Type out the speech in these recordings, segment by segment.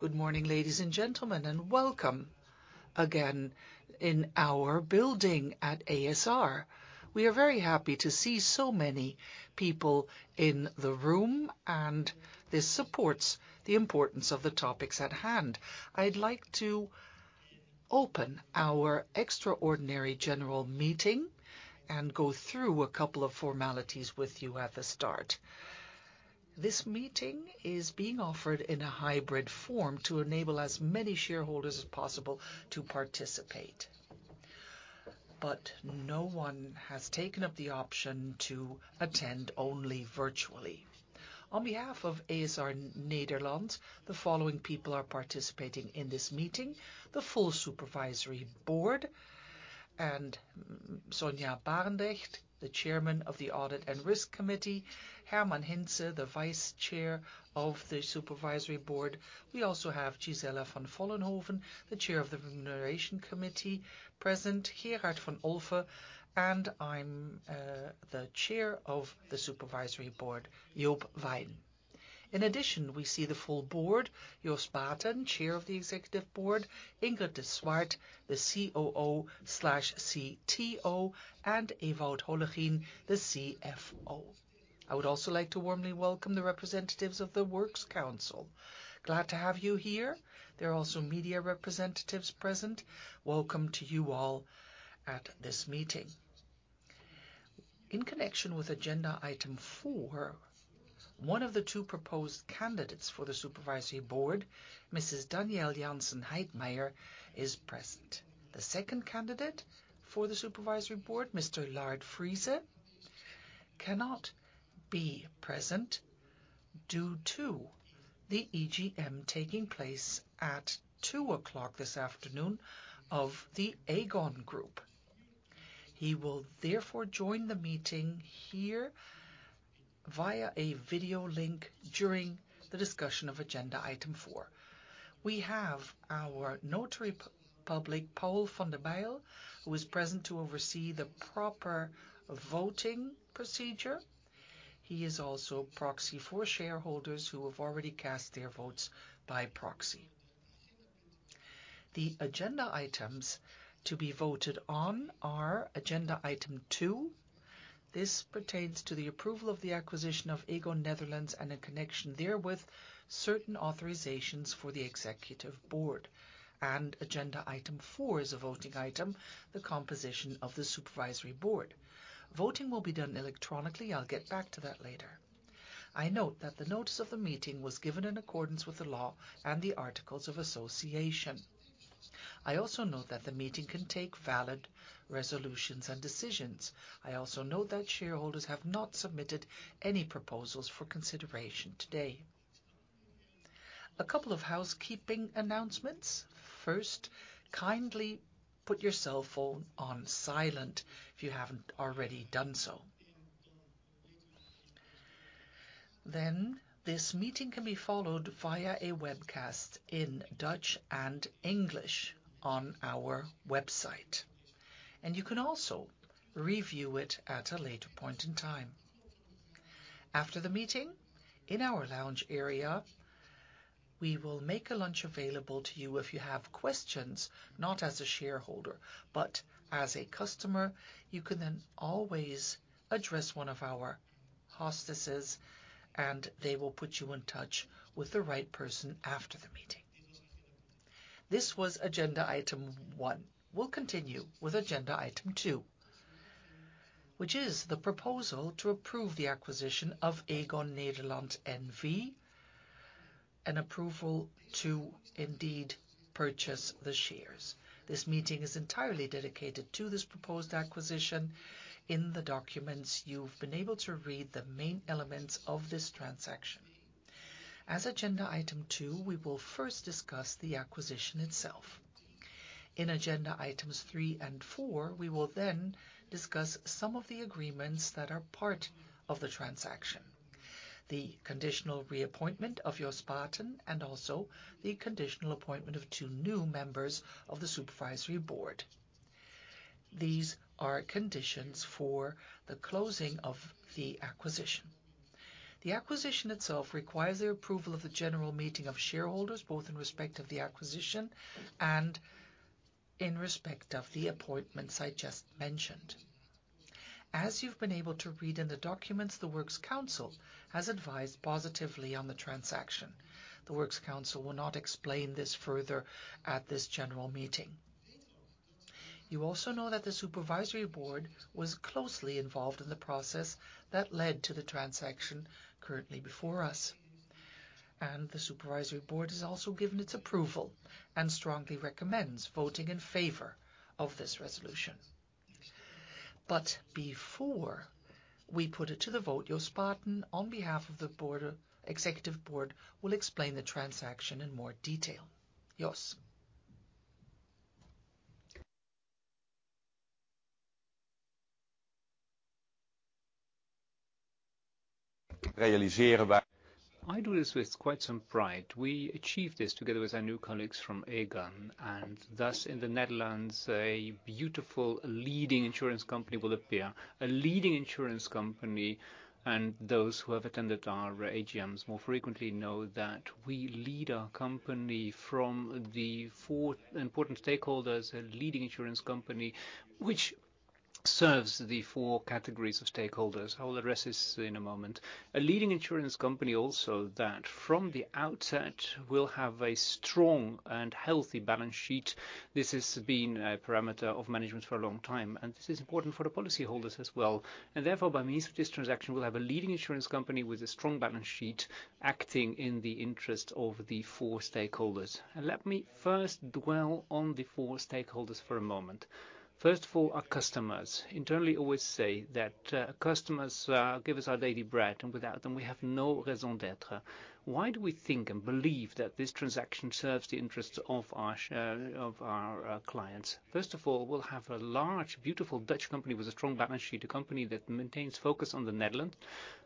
Good morning, ladies and gentlemen, and welcome again in our building at ASR. We are very happy to see so many people in the room. This supports the importance of the topics at hand. I'd like to open our extraordinary general meeting and go through a couple of formalities with you at the start. This meeting is being offered in a hybrid form to enable as many shareholders as possible to participate. No one has taken up the option to attend only virtually. On behalf of ASR Nederland, the following people are participating in this meeting. The full Supervisory Board and Sonja Barendregt, the Chairman of the Audit and Risk Committee, Herman Hazewinkel, the Vice Chair of the Supervisory Board. We also have Gisella van Vollenhoven, the Chair of the Remuneration Committee present. Gerard van Olphen, and I'm the Chair of the Supervisory Board, Joop Wijn. We see the full board, Jos Baeten, Chair of the Executive Board, Ingrid de Swart, the COO/CTO, and Ewout Hollegien, the CFO. I would also like to warmly welcome the representatives of the Works Council. Glad to have you here. There are also media representatives present. Welcome to you all at this meeting. In connection with agenda item four, one of the two proposed candidates for the supervisory board, Mrs. Daniëlle Jansen Heijtmájer, is present. The second candidate for the supervisory board, Mr. Lard Friese, cannot be present due to the EGM taking place at 2:00 this afternoon of the Aegon Group. He will therefore join the meeting here via a video link during the discussion of agenda item four. We have our Notary Public, Paul van der Bijl, who is present to oversee the proper voting procedure. He is also proxy for shareholders who have already cast their votes by proxy. The agenda items to be voted on are agenda item two. This pertains to the approval of the acquisition of Aegon Nederland and in connection there with certain authorizations for the Executive Board. Agenda item four is a voting item, the composition of the Supervisory Board. Voting will be done electronically. I'll get back to that later. I note that the notice of the meeting was given in accordance with the law and the articles of association. I also note that the meeting can take valid resolutions and decisions. I also note that shareholders have not submitted any proposals for consideration today. A couple of housekeeping announcements. First, kindly put your cell phone on silent if you haven't already done so. This meeting can be followed via a webcast in Dutch and English on our website, and you can also review it at a later point in time. After the meeting, in our lounge area, we will make a lunch available to you if you have questions, not as a shareholder, but as a customer, you can then always address one of our hostesses and they will put you in touch with the right person after the meeting. This was agenda item one. We'll continue with agenda item two, which is the proposal to approve the acquisition of Aegon Nederland N.V. and approval to indeed purchase the shares. This meeting is entirely dedicated to this proposed acquisition. In the documents, you've been able to read the main elements of this transaction. As agenda item two, we will first discuss the acquisition itself. In agenda items three and four, we will then discuss some of the agreements that are part of the transaction, the conditional reappointment of Jos Baeten, and also the conditional appointment of two new members of the supervisory board. These are conditions for the closing of the acquisition. The acquisition itself requires the approval of the general meeting of shareholders, both in respect of the acquisition and in respect of the appointments I just mentioned. As you've been able to read in the documents, the Works Council has advised positively on the transaction. The Works Council will not explain this further at this general meeting. You also know that the supervisory board was closely involved in the process that led to the transaction currently before us. The supervisory board has also given its approval and strongly recommends voting in favor of this resolution. Before we put it to the vote, Jos Baeten, on behalf of the Executive Board, will explain the transaction in more detail. Jos? I do this with quite some pride. We achieved this together with our new colleagues from Aegon, thus in the Netherlands, a beautiful leading insurance company will appear. A leading insurance company, those who have attended our AGMs more frequently know that we lead our company from the four important stakeholders. A leading insurance company which serves the four categories of stakeholders. I will address this in a moment. A leading insurance company also that from the outset will have a strong and healthy balance sheet. This has been a parameter of management for a long time, this is important for the policy holders as well. Therefore, by means of this transaction, we'll have a leading insurance company with a strong balance sheet acting in the interest of the four stakeholders. Let me first dwell on the four stakeholders for a moment. First of all, our customers. Internally always say that customers give us our daily bread, and without them we have no raison d'être. Why do we think and believe that this transaction serves the interests of our clients? First of all, we'll have a large, beautiful Dutch company with a strong balance sheet, a company that maintains focus on the Netherlands.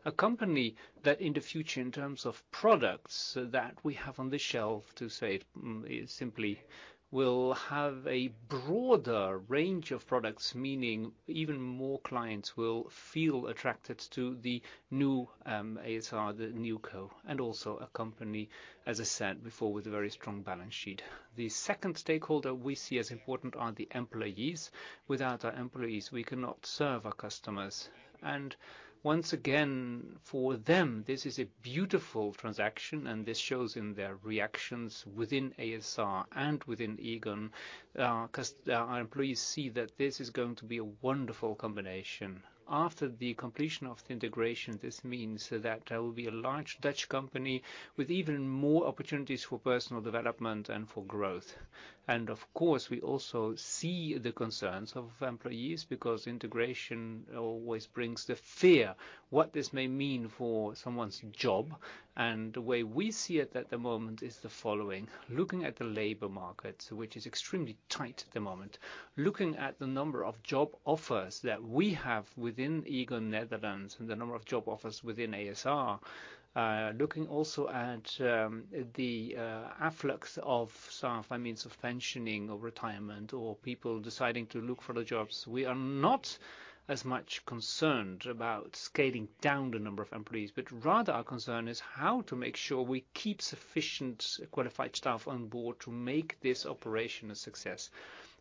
A company that in the future, in terms of products that we have on the shelf, to say it simply, will have a broader range of products, meaning even more clients will feel attracted to the new ASR, the NewCo, and also a company, as I said before, with a very strong balance sheet. The second stakeholder we see as important are the employees. Without our employees, we cannot serve our customers. Once again, for them, this is a beautiful transaction, and this shows in their reactions within ASR and within Aegon. 'Cause our employees see that this is going to be a wonderful combination. After the completion of the integration, this means that there will be a large Dutch company with even more opportunities for personal development and for growth. Of course, we also see the concerns of employees because integration always brings the fear, what this may mean for someone's job. The way we see it at the moment is the following: looking at the labor market, which is extremely tight at the moment, looking at the number of job offers that we have within Aegon Nederland and the number of job offers within ASR, looking also at the afflux of staff by means of pensioning or retirement or people deciding to look for the jobs, we are not as much concerned about scaling down the number of employees, but rather our concern is how to make sure we keep sufficient qualified staff on board to make this operation a success.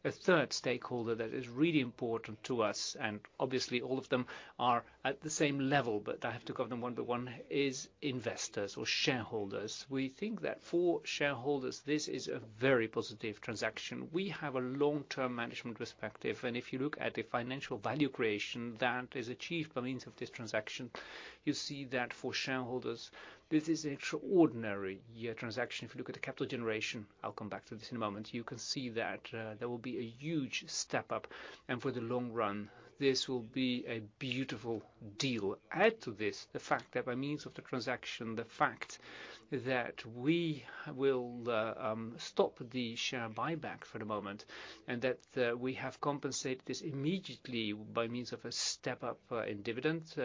A third stakeholder that is really important to us, and obviously all of them are at the same level, but I have to cover them one by one, is investors or shareholders. We think that for shareholders, this is a very positive transaction. We have a long-term management perspective, if you look at the financial value creation that is achieved by means of this transaction, you see that for shareholders, this is extraordinary transaction. If you look at the capital generation, I'll come back to this in a moment, you can see that there will be a huge step up, for the long run, this will be a beautiful deal. Add to this the fact that by means of the transaction, the fact that we will stop the share buyback for the moment, that we have compensated this immediately by means of a step up in dividends.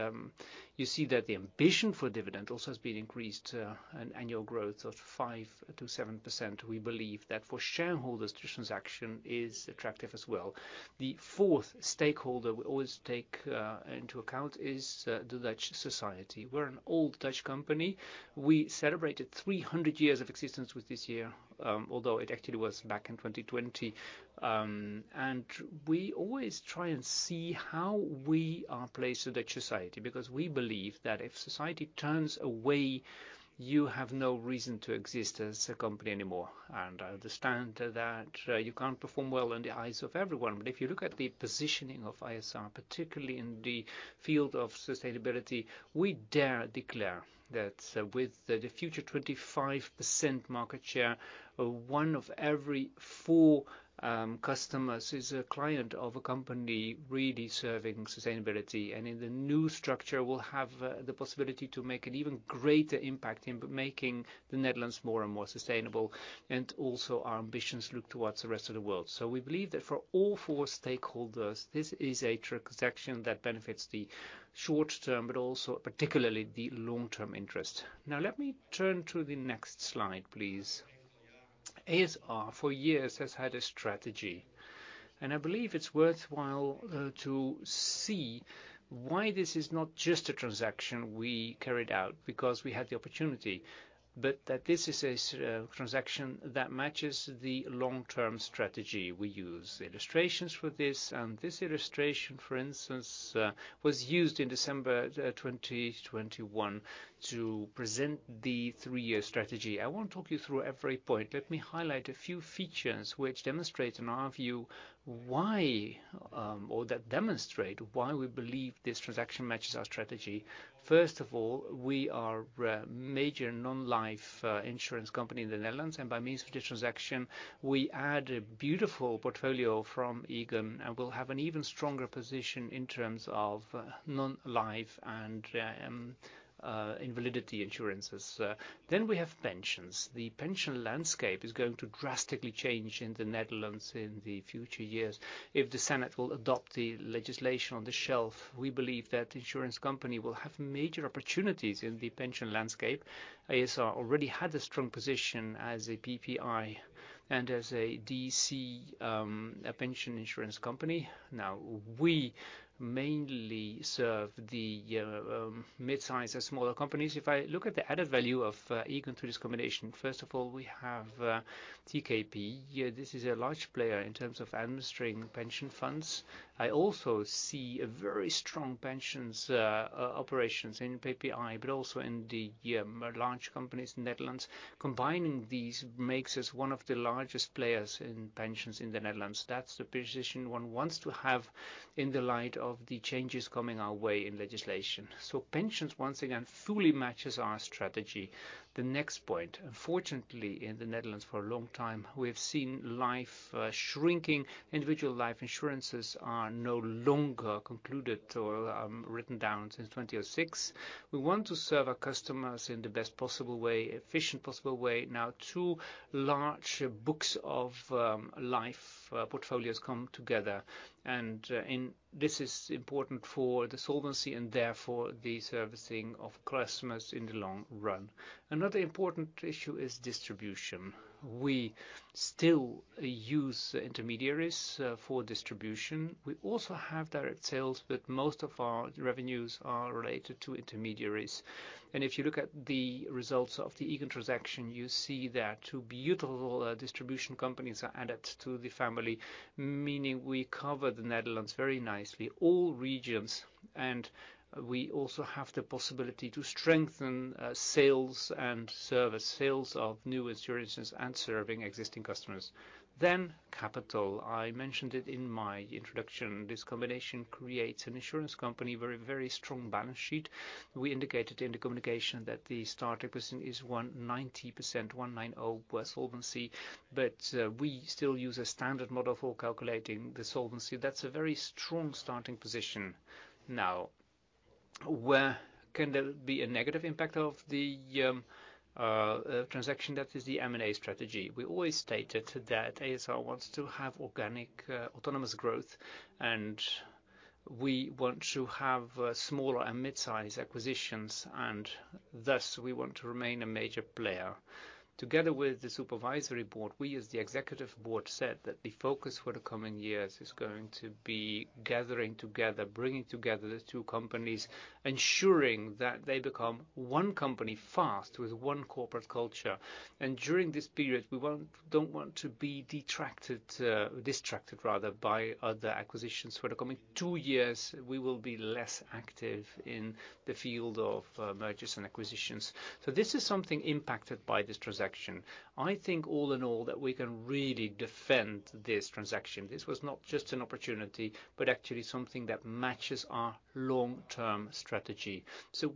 You see that the ambition for dividend also has been increased, an annual growth of 5% to 7%. We believe that for shareholders, this transaction is attractive as well. The fourth stakeholder we always take into account is the Dutch society. We're an old Dutch company. We celebrated 300 years of existence with this year, although it actually was back in 2020. We always try and see how we are placed with Dutch society, because we believe that if society turns away, you have no reason to exist as a company anymore. I understand that you can't perform well in the eyes of everyone. If you look at the positioning of ASR, particularly in the field of sustainability, we dare declare that with the future 25% market share, one of every four customers is a client of a company really serving sustainability. In the new structure, we'll have the possibility to make an even greater impact in making the Netherlands more and more sustainable, and also our ambitions look towards the rest of the world. We believe that for all four stakeholders, this is a transaction that benefits the short-term, but also particularly the long-term interest. Let me turn to the next slide, please. ASR for years has had a strategy. I believe it's worthwhile to see why this is not just a transaction we carried out because we had the opportunity, but that this is a transaction that matches the long-term strategy we use. Illustrations for this and this illustration, for instance, was used in December 2021 to present the three-year strategy. I won't talk you through every point. Let me highlight a few features which demonstrate, in our view, why, or that demonstrate why we believe this transaction matches our strategy. First of all, we are a major non-life insurance company in the Netherlands. By means of the transaction, we add a beautiful portfolio from Aegon and will have an even stronger position in terms of non-life and in validity insurances. We have pensions. The pension landscape is going to drastically change in the Netherlands in the future years if the Senate will adopt the legislation on the shelf. We believe that insurance company will have major opportunities in the pension landscape. ASR already had a strong position as a PPI and as a DC, a pension insurance company. Now, we mainly serve the midsize and smaller companies. If I look at the added value of Aegon through this combination, first of all, we have TKP. This is a large player in terms of administering pension funds. I also see a very strong pensions operations in PPI, but also in the large companies in the Netherlands. Combining these makes us one of the largest players in pensions in the Netherlands. That's the position one wants to have in the light of the changes coming our way in legislation. Pensions, once again, fully matches our strategy. The next point. Unfortunately, in the Netherlands, for a long time, we have seen life shrinking. Individual life insurances are no longer concluded or written down since 2006. We want to serve our customers in the best possible way, efficient possible way. Two large books of life portfolios come together. This is important for the solvency and therefore the servicing of customers in the long run. Another important issue is distribution. We still use intermediaries for distribution. We also have direct sales. Most of our revenues are related to intermediaries. If you look at the results of the Aegon transaction, you see that two beautiful distribution companies are added to the family, meaning we cover the Netherlands very nicely, all regions, and we also have the possibility to strengthen sales and service. Sales of new insurances and serving existing customers. Capital. I mentioned it in my introduction. This combination creates an insurance company very strong balance sheet. We indicated in the communication that the starting position is 190%, 190 solvency, we still use a standard model for calculating the solvency. That's a very strong starting position. Where can there be a negative impact of the transaction? That is the M&A strategy. We always stated that ASR wants to have organic autonomous growth, we want to have smaller and mid-size acquisitions, we want to remain a major player. Together with the supervisory board, we, as the executive board, said that the focus for the coming years is going to be gathering together, bringing together the two companies, ensuring that they become one company fast with one corporate culture. During this period, we don't want to be detracted, distracted rather by other acquisitions. For the coming two years, we will be less active in the field of mergers and acquisitions. This is something impacted by this transaction. I think all in all that we can really defend this transaction. This was not just an opportunity, but actually something that matches our long-term strategy.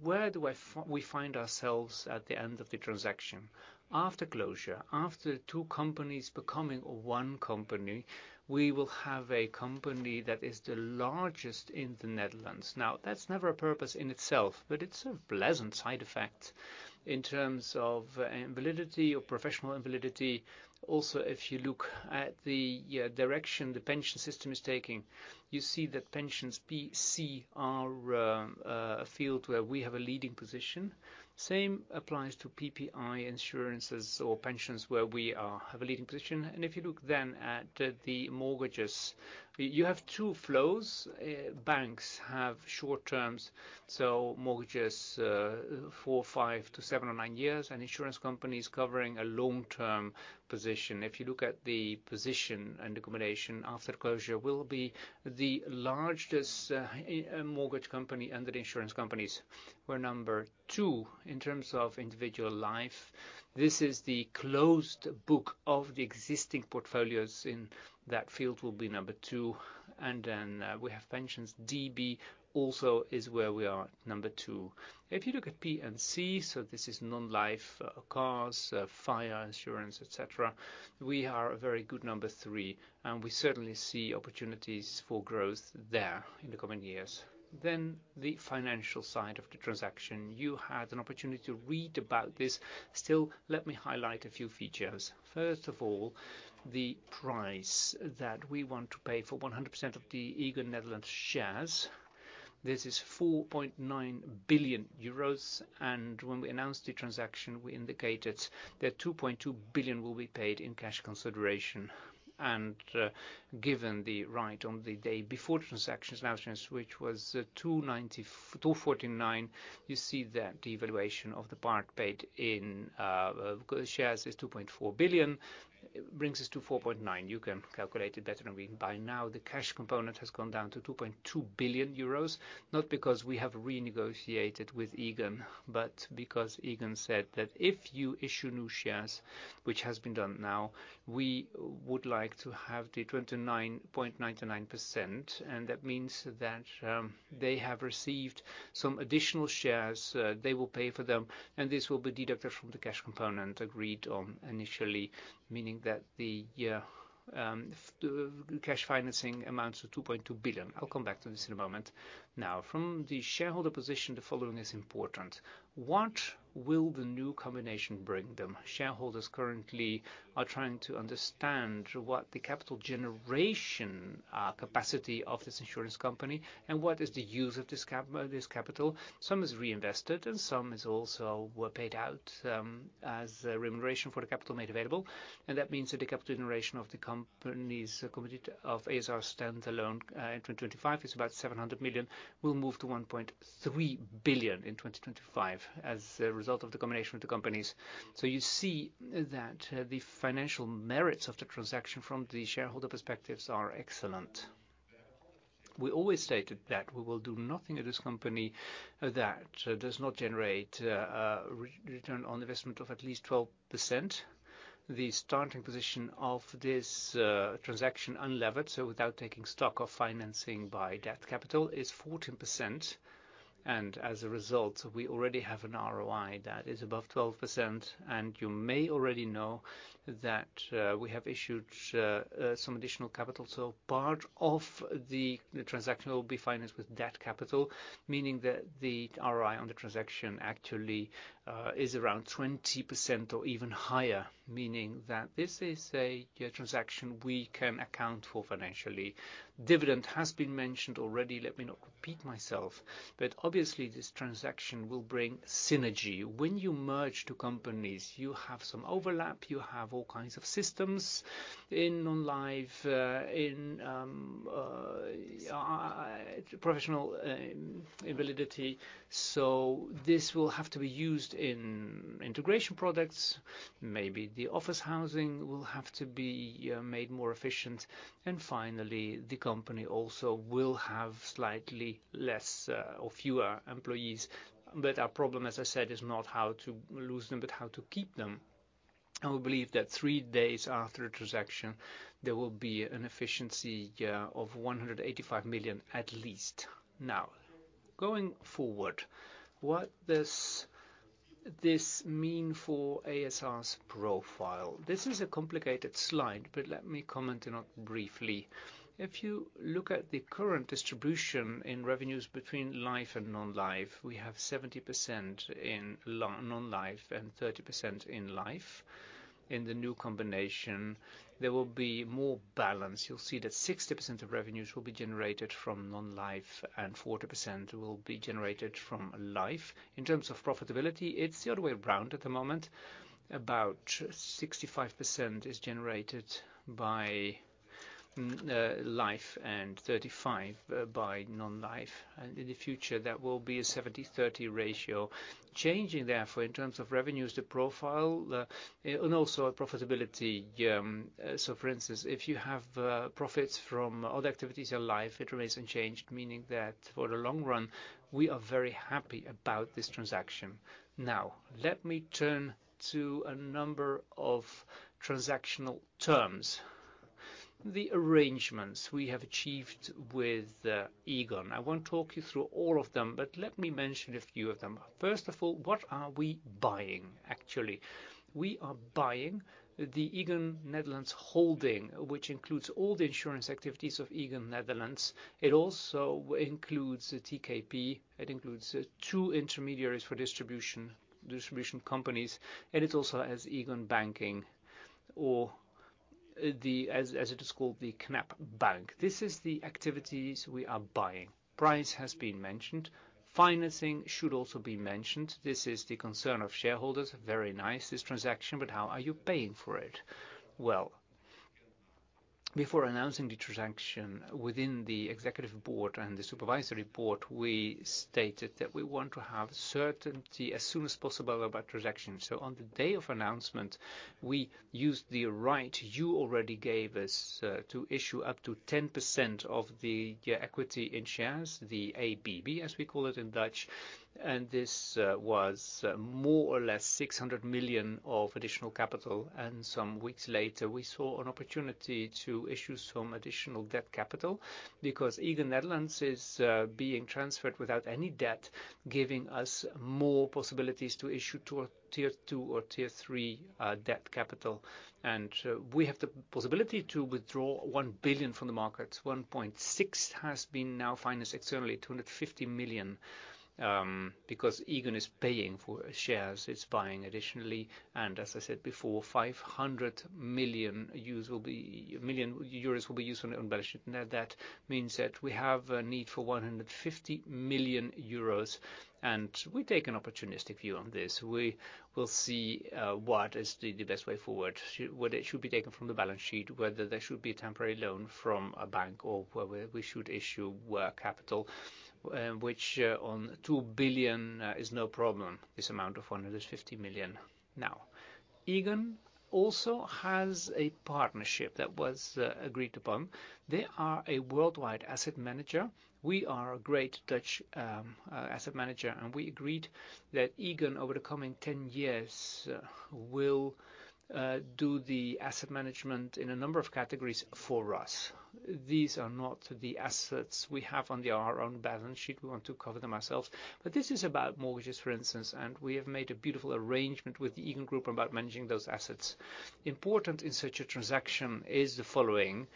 Where do we find ourselves at the end of the transaction? After closure, after two companies becoming one company, we will have a company that is the largest in the Netherlands. That's never a purpose in itself, but it's a pleasant side effect in terms of validity or professional validity. If you look at the direction the pension system is taking, you see that pensions PC are a field where we have a leading position. Same applies to PPI insurances or pensions, where we have a leading position. If you look then at the mortgages, you have two flows. Banks have short terms, so mortgages, four, five to seven or nine years, and insurance companies covering a long-term position. If you look at the position and accommodation, after closure we'll be the largest mortgage company under the insurance companies. We're number two in terms of individual life. This is the closed book of the existing portfolios in that field will be number two, and then we have pensions. DB also is where we are number two. If you look at P&C, so this is non-life, cars, fire insurance, et cetera, we are a very good number three, and we certainly see opportunities for growth there in the coming years. The financial side of the transaction. You had an opportunity to read about this. Still, let me highlight a few features. First of all, the price that we want to pay for 100% of the Aegon Nederland shares. This is 4.9 billion euros. When we announced the transaction, we indicated that 2.2 billion will be paid in cash consideration. Given the right on the day before transaction announcements, which was 2.49 billion, you see that the evaluation of the part paid in shares is 2.4 billion, brings us to 4.9 billion. You can calculate it better than me. By now, the cash component has gone down to 2.2 billion euros, not because we have renegotiated with Aegon, but because Aegon said that if you issue new shares, which has been done now, we would like to have the 29.99%. That means that they have received some additional shares, they will pay for them, and this will be deducted from the cash component agreed on initially, meaning that the cash financing amounts to 2.2 billion. I'll come back to this in a moment. From the shareholder position, the following is important. What will the new combination bring them? Shareholders currently are trying to understand what the capital generation capacity of this insurance company and what is the use of this capital. Some is reinvested and some is also were paid out as a remuneration for the capital made available. That means that the capital generation of the company's committed of ASR standalone in 2025 is about 700 million, will move to 1.3 billion in 2025 as a result of the combination of the companies. You see that the financial merits of the transaction from the shareholder perspectives are excellent. We always stated that we will do nothing at this company that does not generate ROI of at least 12%. The starting position of this transaction unlevered, so without taking stock of financing by debt capital, is 14%. As a result, we already have an ROI that is above 12%. You may already know that we have issued some additional capital. Part of the transaction will be financed with debt capital, meaning that the ROI on the transaction actually is around 20% or even higher, meaning that this is a transaction we can account for financially. Dividend has been mentioned already. Let me not repeat myself, but obviously this transaction will bring synergy. When you merge two companies, you have some overlap, you have all kinds of systems in non-life, in professional invalidity. This will have to be used in integration products. Maybe the office housing will have to be made more efficient. Finally, the company also will have slightly less or fewer employees. Our problem, as I said, is not how to lose them, but how to keep them. I believe that three days after transaction, there will be an efficiency of 185 million at least. Going forward, what does this mean for ASR's profile? This is a complicated slide, let me comment on it briefly. If you look at the current distribution in revenues between life and non-life, we have 70% in non-life and 30% in life. In the new combination, there will be more balance. You'll see that 60% of revenues will be generated from non-life and 40% will be generated from life. In terms of profitability, it's the other way around at the moment. About 65% is generated by life and 35% by non-life. In the future, that will be a 70-30 ratio. Changing therefore, in terms of revenues, the profile, the, and also profitability, for instance, if you have profits from other activities in life, it remains unchanged, meaning that for the long run, we are very happy about this transaction. Let me turn to a number of transactional terms. The arrangements we have achieved with Aegon. I won't talk you through all of them, but let me mention a few of them. First of all, what are we buying, actually? We are buying the Aegon Nederland holding, which includes all the insurance activities of Aegon Nederland. It also includes the TKP. It includes two intermediaries for distribution companies, and it also has Aegon banking or, as it is called, the Knab Bank. This is the activities we are buying. Price has been mentioned. Financing should also be mentioned. This is the concern of shareholders. Very nice, this transaction, but how are you paying for it? Before announcing the transaction within the executive board and the supervisory board, we stated that we want to have certainty as soon as possible about transaction. On the day of announcement, we used the right you already gave us to issue up to 10% of the equity in shares, the ABB, as we call it in Dutch. This was more or less 600 million of additional capital. Some weeks later, we saw an opportunity to issue some additional debt capital because Aegon Nederland is being transferred without any debt, giving us more possibilities to issue to a Tier 2 or Tier 3 debt capital. We have the possibility to withdraw 1 billion from the markets. 1.6 has been now financed externally, 250 million because Aegon is paying for shares, it's buying additionally. As I said before, 500 million euros will be used from their own balance sheet. That means that we have a need for 150 million euros, and we take an opportunistic view on this. We will see what is the best way forward. Whether it should be taken from the balance sheet, whether there should be a temporary loan from a bank, or we should issue capital, which on 2 billion is no problem, this amount of 150 million. Aegon also has a partnership that was agreed upon. They are a worldwide asset manager. We are a great Dutch asset manager. We agreed that Aegon, over the coming 10 years, will do the asset management in a number of categories for us. These are not the assets we have on their own balance sheet. We want to cover them ourselves. This is about mortgages, for instance. We have made a beautiful arrangement with the Aegon Group about managing those assets. Important in such a transaction is the following,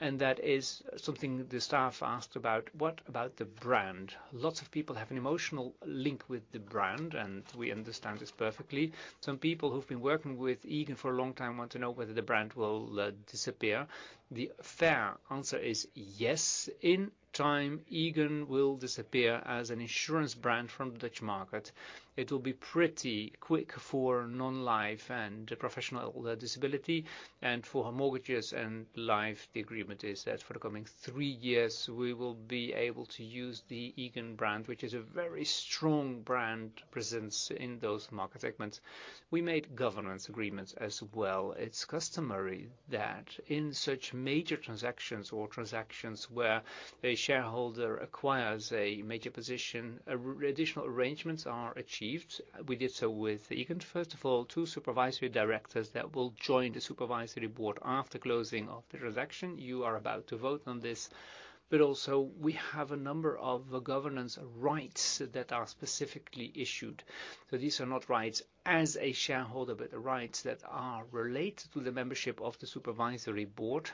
that is something the staff asked about: What about the brand? Lots of people have an emotional link with the brand. We understand this perfectly. Some people who've been working with Aegon for a long time want to know whether the brand will disappear. The fair answer is yes. In time, Aegon will disappear as an insurance brand from the Dutch market. It will be pretty quick for non-life and professional disability. For mortgages and life, the agreement is that for the coming three years, we will be able to use the Aegon brand, which is a very strong brand presence in those market segments. We made governance agreements as well. It's customary that in such major transactions or transactions where a shareholder acquires a major position, additional arrangements are achieved. We did so with Aegon, first of all, two supervisory directors that will join the supervisory board after closing of the transaction. You are about to vote on this. Also we have a number of governance rights that are specifically issued. These are not rights as a shareholder, but the rights that are related to the membership of the supervisory board.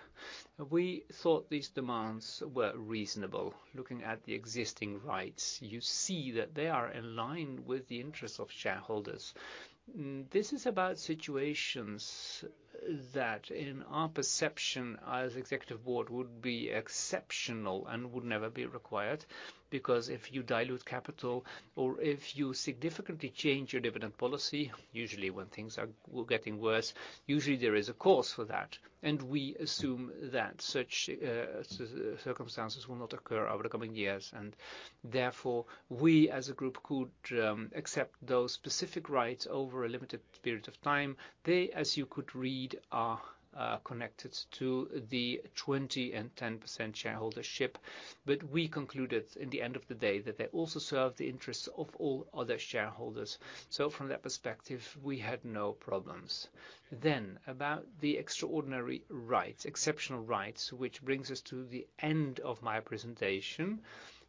We thought these demands were reasonable. Looking at the existing rights, you see that they are in line with the interests of shareholders. This is about situations that, in our perception as executive board, would be exceptional and would never be required. If you dilute capital or if you significantly change your dividend policy, usually when things are getting worse, usually there is a cause for that. We assume that such circumstances will not occur over the coming years, and therefore we as a group could accept those specific rights over a limited period of time. They, as you could read, are connected to the 20% and 10% shareholdership. We concluded in the end of the day that they also serve the interests of all other shareholders. From that perspective, we had no problems. About the extraordinary rights, exceptional rights, which brings us to the end of my presentation.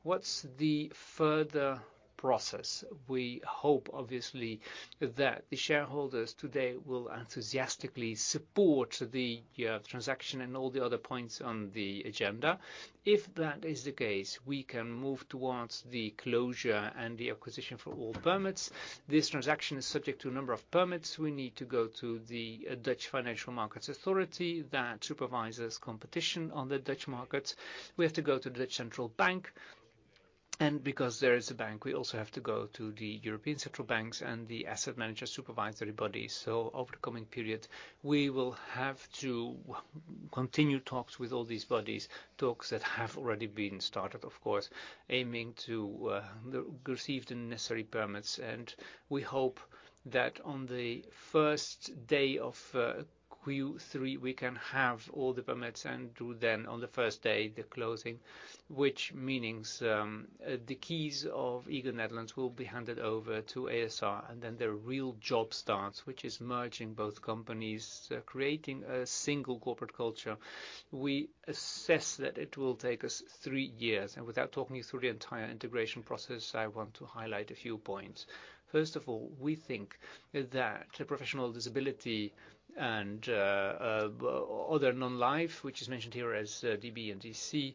What's the further process? We hope, obviously, that the shareholders today will enthusiastically support the transaction and all the other points on the agenda. If that is the case, we can move towards the closure and the acquisition for all permits. This transaction is subject to a number of permits. We need to go to the Dutch Financial Markets Authority that supervises competition on the Dutch markets. We have to go to the central bank. Because there is a bank, we also have to go to the European Central Bank and the asset manager supervisory bodies. Over the coming period, we will have to continue talks with all these bodies, talks that have already been started, of course, aiming to receive the necessary permits. We hope that on the first day of Q3, we can have all the permits and do then, on the first day, the closing, which meanings, the keys of Aegon Nederland will be handed over to ASR. Then the real job starts, which is merging both companies, creating a single corporate culture. We assess that it will take us three years. Without talking you through the entire integration process, I want to highlight a few points. First of all, we think that the professional disability and other non-life, which is mentioned here as DB and DC,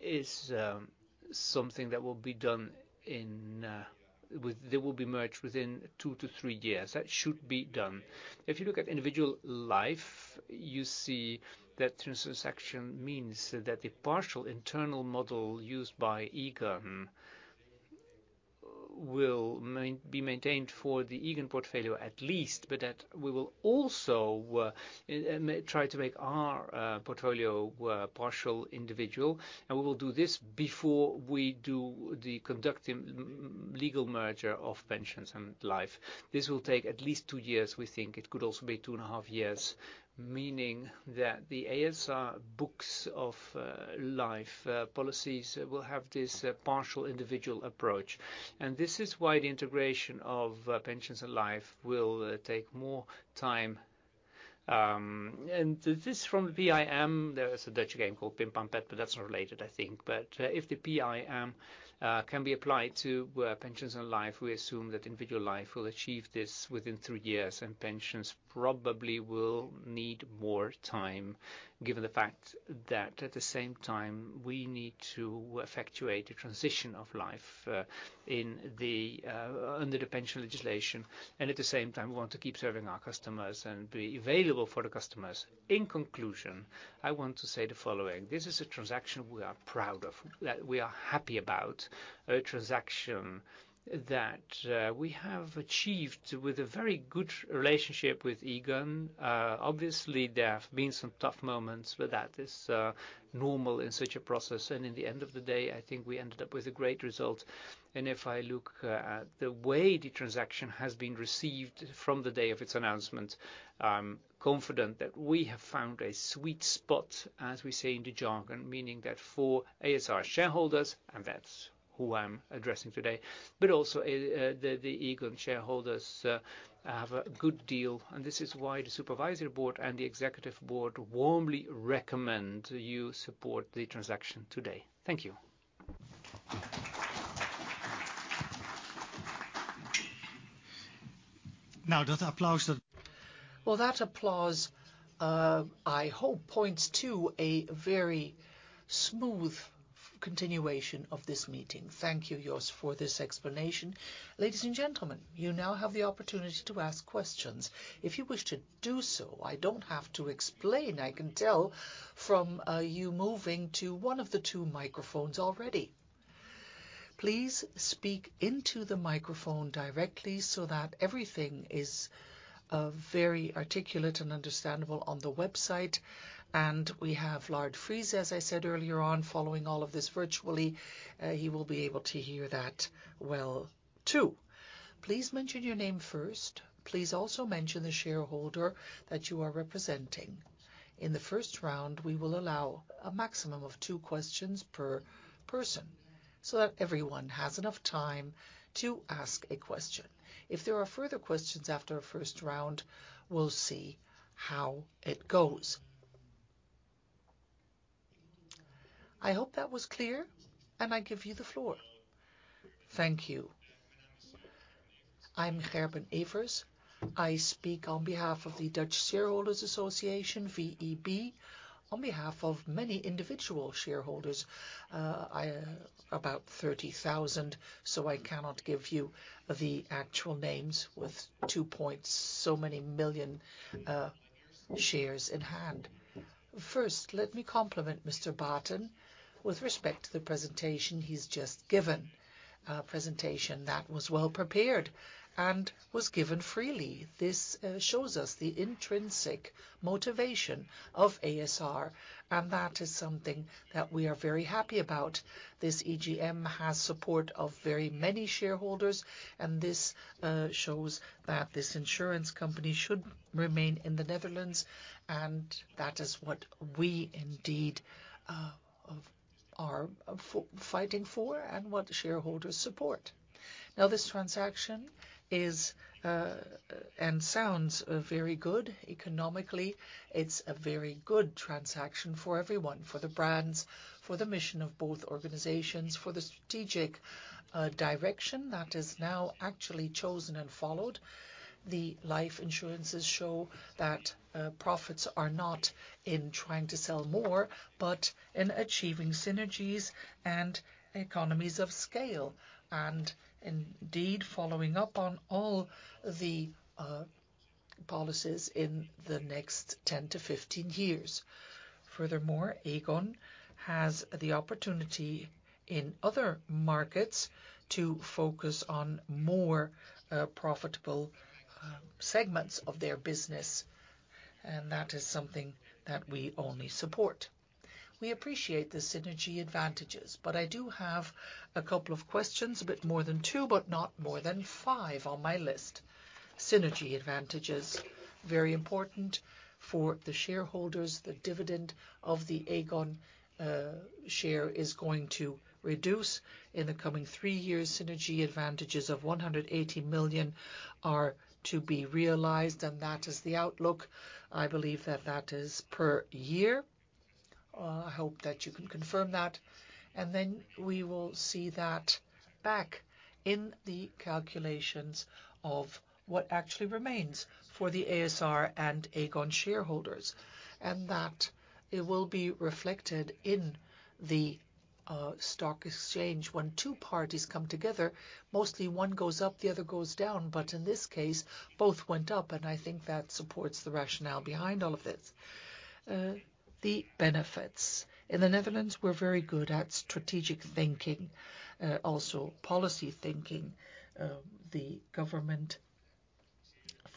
is something that will be done in they will be merged within two to three years. That should be done. If you look at individual life, you see that transaction means that the partial internal model used by Aegon will be maintained for the Aegon portfolio at least, but that we will also try to make our portfolio partial individual, and we will do this before we do the conducting legal merger of pensions and life. This wll take at least two years, we think. It could also be two and a half years, meaning that the ASR books of life policies will have this partial individual approach. This is why the integration of pensions and life will take more time. This from the VIM, there is a Dutch game called Pim Pam Pet, but that's not related, I think. If the VIM can be applied to pensions and life, we assume that individual life will achieve this within three years, and pensions probably will need more time, given the fact that at the same time we need to effectuate a transition of life in the under the pension legislation. At the same time, we want to keep serving our customers and be available for the customers. In conclusion, I want to say the following: This is a transaction we are proud of, that we are happy about. A transaction that we have achieved with a very good relationship with Aegon. Obviously there have been some tough moments, but that is normal in such a process. In the end of the day, I think we ended up with a great result. If I look at the way the transaction has been received from the day of its announcement, I'm confident that we have found a sweet spot, as we say in the jargon. Meaning that for ASR shareholders, and that's who I'm addressing today, but also, the Aegon shareholders have a good deal. This is why the Supervisory Board and the Executive Board warmly recommend you support the transaction today. Thank you. That applause that- Well, that applause, I hope points to a very smooth continuation of this meeting. Thank you, Jos, for this explanation. Ladies and gentlemen, you now have the opportunity to ask questions. If you wish to do so, I don't have to explain. I can tell from, you moving to one of the two microphones already. Please speak into the microphone directly so that everything is very articulate and understandable on the website. We have Lard Friese, as I said earlier on, following all of this virtually. He will be able to hear that well, too. Please mention your name first. Please also mention the shareholder that you are representing. In the first round, we will allow a maximum of two questions per person so that everyone has enough time to ask a question. If there are further questions after a first round, we'll see how it goes. I hope that was clear. I give you the floor. Thank you. I'm Gerben Everts. I speak on behalf of the Dutch Shareholders Association, VEB, on behalf of many individual shareholders, about 30,000, so I cannot give you the actual names with two points, so many million shares in hand. First, let me compliment Mr. Baeten with respect to the presentation he's just given. A presentation that was well prepared and was given freely. This shows us the intrinsic motivation of ASR, and that is something that we are very happy about. This EGM has support of very many shareholders. This shows that this insurance company should remain in the Netherlands, and that is what we indeed are fighting for and what the shareholders support. This transaction is and sounds very good economically. It's a very good transaction for everyone, for the brands, for the mission of both organizations, for the strategic direction that is now actually chosen and followed. The life insurances show that profits are not in trying to sell more, but in achieving synergies and economies of scale, and indeed following up on all the policies in the next 10-15 years. Aegon has the opportunity in other markets to focus on more profitable segments of their business, and that is something that we only support. We appreciate the synergy advantages, but I do have a couple of questions, a bit more than two, but not more than five on my list. Synergy advantage is very important for the shareholders. The dividend of the Aegon share is going to reduce in the coming three years. Synergy advantages of 180 million are to be realized, and that is the outlook. I believe that that is per year. I hope that you can confirm that. Then we will see that back in the calculations of what actually remains for the ASR and Aegon shareholders, and that it will be reflected in the stock exchange. When two parties come together, mostly one goes up, the other goes down. In this case, both went up, and I think that supports the rationale behind all of this. The benefits. In the Netherlands, we're very good at strategic thinking, also policy thinking. The government,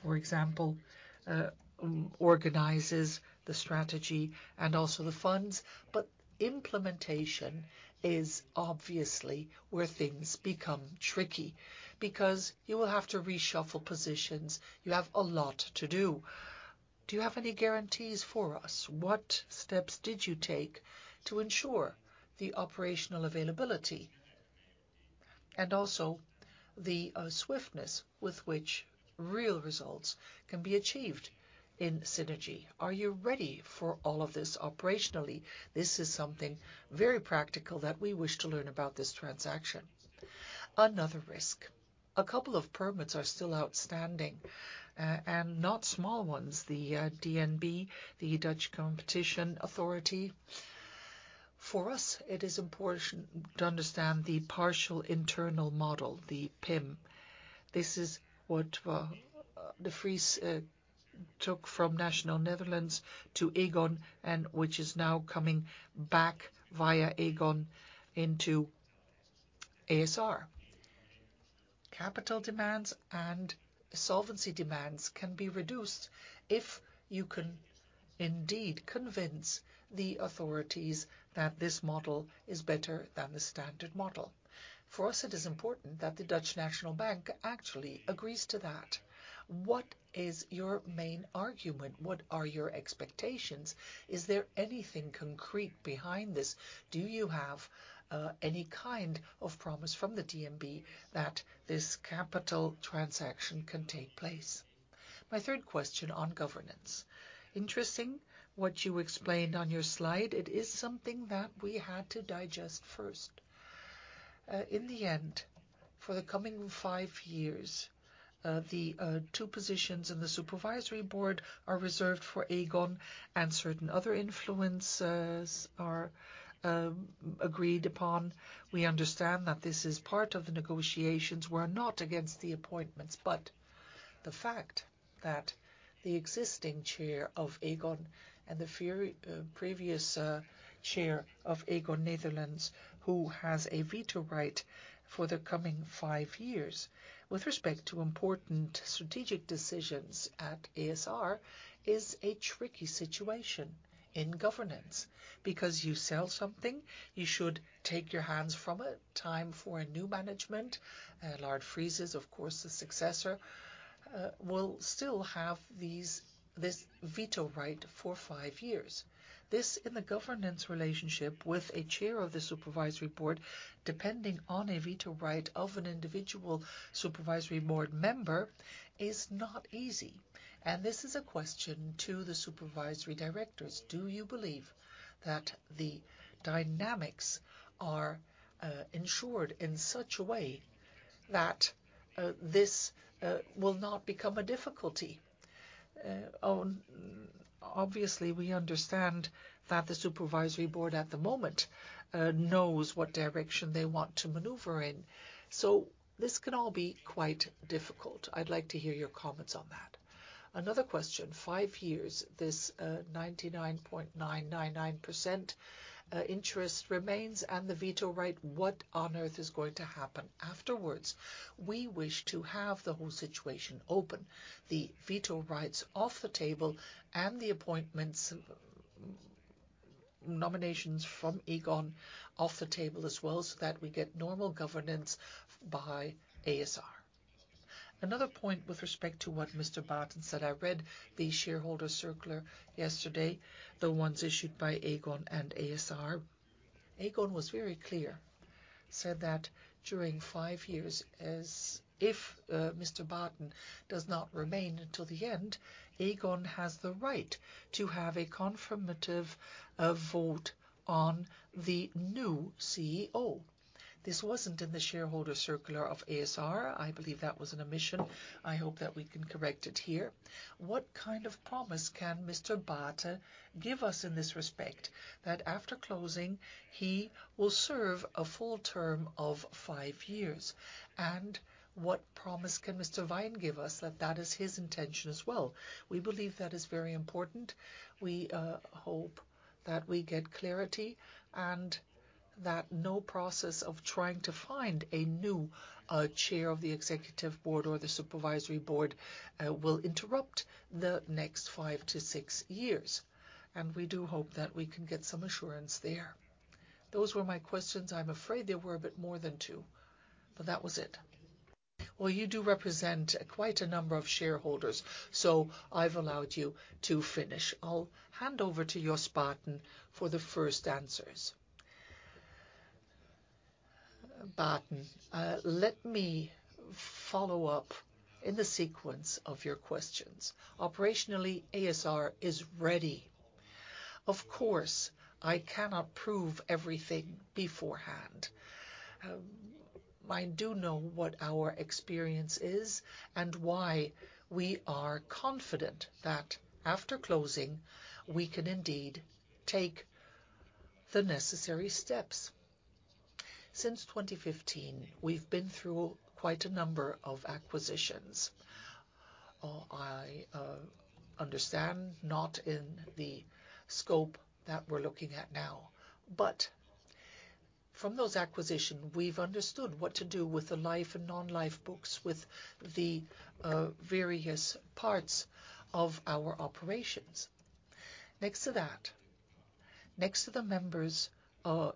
for example, organizes the strategy and also the funds, but implementation is obviously where things become tricky because you will have to reshuffle positions. You have a lot to do. Do you have any guarantees for us? What steps did you take to ensure the operational availability and also the swiftness with which real results can be achieved in synergy? Are you ready for all of this operationally? This is something very practical that we wish to learn about this transaction. Another risk. A couple of permits are still outstanding and not small ones. The DNB, the Dutch Competition Authority. For us, it is important to understand the partial internal model, the PIM. This is what De Vries took from Nationale-Nederlanden to Aegon and which is now coming back via Aegon into ASR. Capital demands and solvency demands can be reduced if you can indeed convince the authorities that this model is better than the standard model. For us, it is important that the Dutch National Bank actually agrees to that. What is your main argument? What are your expectations? Is there anything concrete behind this? Do you have any kind of promise from the DNB that this capital transaction can take place? My third question on governance. Interesting what you explained on your slide. It is something that we had to digest first. In the end, for the coming five years, the two positions in the supervisory board are reserved for Aegon, and certain other influencers are agreed upon. We understand that this is part of the negotiations. We're not against the appointments, the fact that the existing Chair of Aegon and the very, previous, Chair of Aegon Nederland, who has a veto right for the coming five years with respect to important strategic decisions at ASR is a tricky situation in governance, because you sell something, you should take your hands from it. Time for a new management. Lard Friese is, of course, the successor, will still have this veto right for five years. This, in the governance relationship with a chair of the supervisory board, depending on a veto right of an individual supervisory board member is not easy. This is a question to the supervisory directors. Do you believe that the dynamics are ensured in such a way that this will not become a difficulty? Obviously, we understand that the supervisory board at the moment knows what direction they want to maneuver in. This can all be quite difficult. I'd like to hear your comments on that. Another question. Five years, this 99.999% interest remains and the veto right. What on earth is going to happen afterwards? We wish to have the whole situation open. The veto rights off the table and the appointments, nominations from Aegon off the table as well, that we get normal governance by ASR. Another point with respect to what Mr. Baeten said. I read the shareholder circular yesterday, the ones issued by Aegon and ASR. Aegon was very clear, said that during five years, as if Mr. Baeten does not remain until the end, Aegon has the right to have a confirmative vote on the new CEO. This wasn't in the shareholder circular of ASR. I believe that was an omission. I hope that we can correct it here. What kind of promise can Mr. Baeten give us in this respect, that after closing he will serve a full term of five years? What promise can Mr. Wijn give us that that is his intention as well? We believe that is very important. We hope that we get clarity and that no process of trying to find a new chair of the executive board or the supervisory board will interrupt the next five to six years. We do hope that we can get some assurance there. Those were my questions. I'm afraid they were a bit more than two, that was it. You do represent quite a number of shareholders, so I've allowed you to finish. I'll hand over to Jos Baeten for the first answers. Baeten, let me follow up in the sequence of your questions. Operationally, ASR is ready. I cannot prove everything beforehand. I do know what our experience is and why we are confident that after closing, we can indeed take the necessary steps. Since 2015, we've been through quite a number of acquisitions. I understand not in the scope that we're looking at now, but from those acquisition, we've understood what to do with the life and non-life books, with the various parts of our operations. Next to that, next to the members,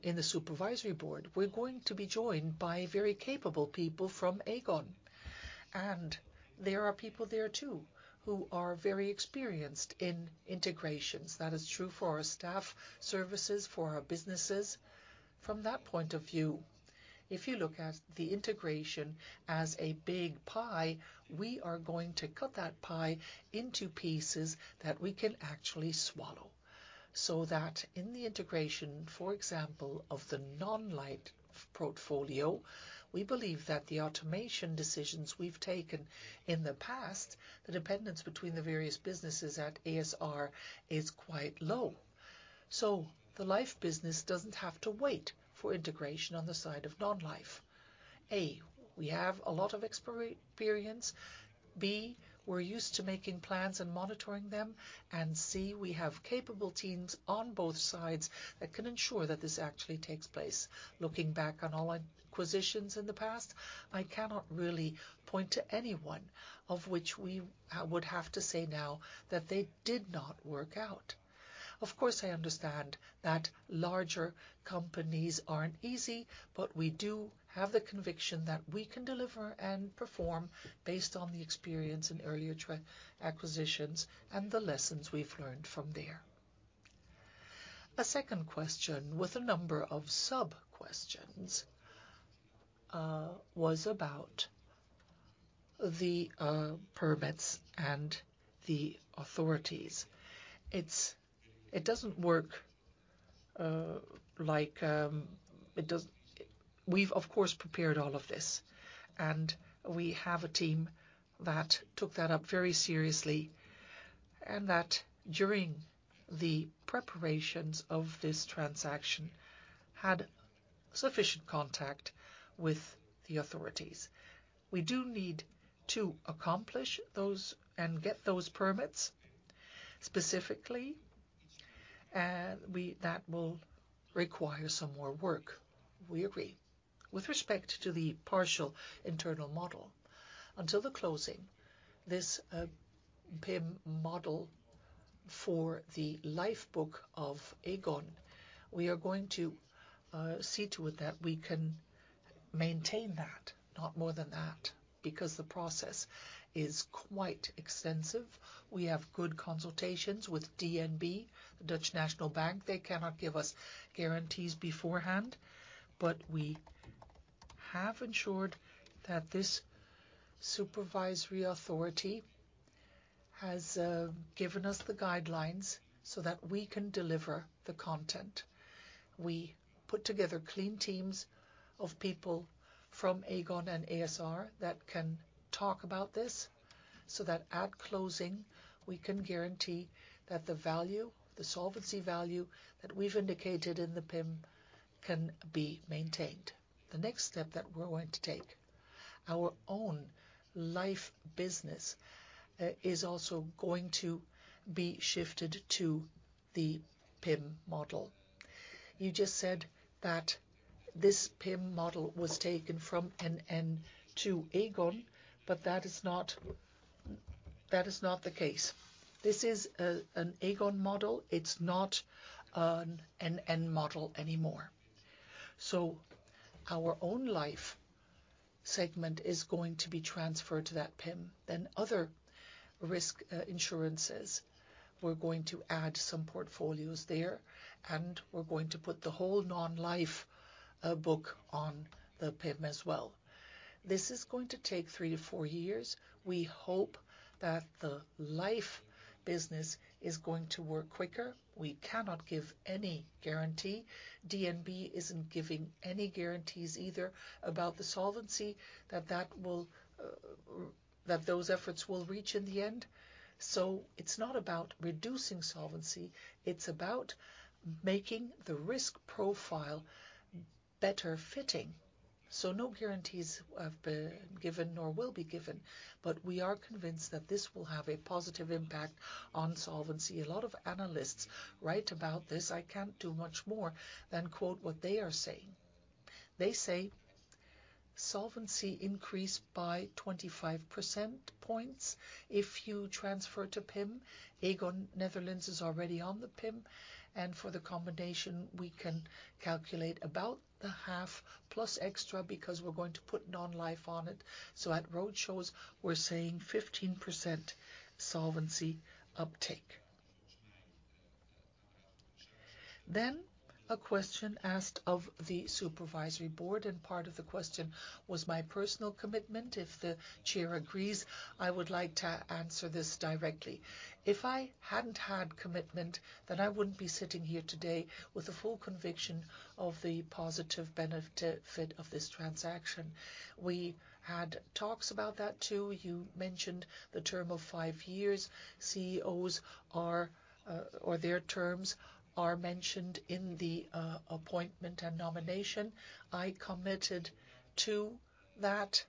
in the supervisory board, we're going to be joined by very capable people from Aegon. There are people there too who are very experienced in integrations. That is true for our staff services, for our businesses. From that point of view, if you look at the integration as a big pie, we are going to cut that pie into pieces that we can actually swallow. That in the integration, for example, of the non-life portfolio, we believe that the automation decisions we've taken in the past, the dependence between the various businesses at ASR is quite low. The life business doesn't have to wait for integration on the side of non-life. A, we have a lot of experience. B, we're used to making plans and monitoring them. C, we have capable teams on both sides that can ensure that this actually takes place. Looking back on all acquisitions in the past, I cannot really point to any one of which we would have to say now that they did not work out. Of course, I understand that larger companies aren't easy, but we do have the conviction that we can deliver and perform based on the experience in earlier acquisitions and the lessons we've learned from there. A second question with a number of sub-questions, was about the permits and the authorities. We've of course prepared all of this, and we have a team that took that up very seriously, and that during the preparations of this transaction had sufficient contact with the authorities. We do need to accomplish those and get those permits specifically, that will require some more work. We agree. With respect to the partial internal model, until the closing, this PIM model for the life book of Aegon, we are going to see to it that we can maintain that, not more than that, because the process is quite extensive. We have good consultations with DNB, the Dutch National Bank. They cannot give us guarantees beforehand, we have ensured that this supervisory authority has given us the guidelines so that we can deliver the content. We put together clean teams of people from Aegon and ASR that can talk about this, at closing, we can guarantee that the value, the solvency value that we've indicated in the PIM can be maintained. The next step that we're going to take, our own life business, is also going to be shifted to the PIM model. You just said that this PIM model was taken from NN to Aegon, that is not the case. This is an Aegon model. It's not an NN model anymore. Our own life segment is going to be transferred to that PIM. Other risk insurances, we're going to add some portfolios there, and we're going to put the whole non-life book on the PIM as well. This is going to take three to four years. We hope that the life business is going to work quicker. We cannot give any guarantee. DNB isn't giving any guarantees either about the solvency that those efforts will reach in the end. It's not about reducing solvency, it's about making the risk profile better fitting. No guarantees have been given nor will be given. We are convinced that this will have a positive impact on solvency. A lot of analysts write about this. I can't do much more than quote what they are saying. They say, "Solvency increased by 25 percent points if you transfer to PIM." Aegon Nederland is already on the PIM, and for the combination, we can calculate about the half plus extra because we're going to put non-life on it. At roadshows, we're saying 15% solvency uptake. A question asked of the Supervisory Board, and part of the question was my personal commitment. If the Chair agrees, I would like to answer this directly. If I hadn't had commitment, then I wouldn't be sitting here today with the full conviction of the positive benefit of this transaction. We had talks about that, too. You mentioned the term of five years. CEOs are, or their terms are mentioned in the appointment and nomination. I committed to that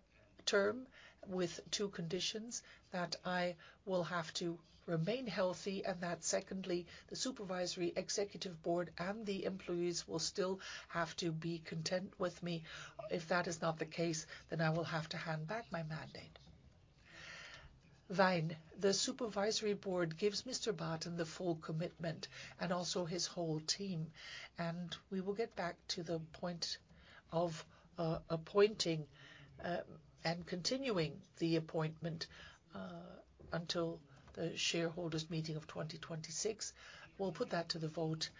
term with two conditions, that I will have to remain healthy, and that secondly, the supervisory executive board and the employees will still have to be content with me. If that is not the case, I will have to hand back my mandate. The supervisory board gives Mr. Baeten the full commitment and also his whole team, and we will get back to the point of appointing and continuing the appointment until the shareholders' meeting of 2026. We'll put that to the vote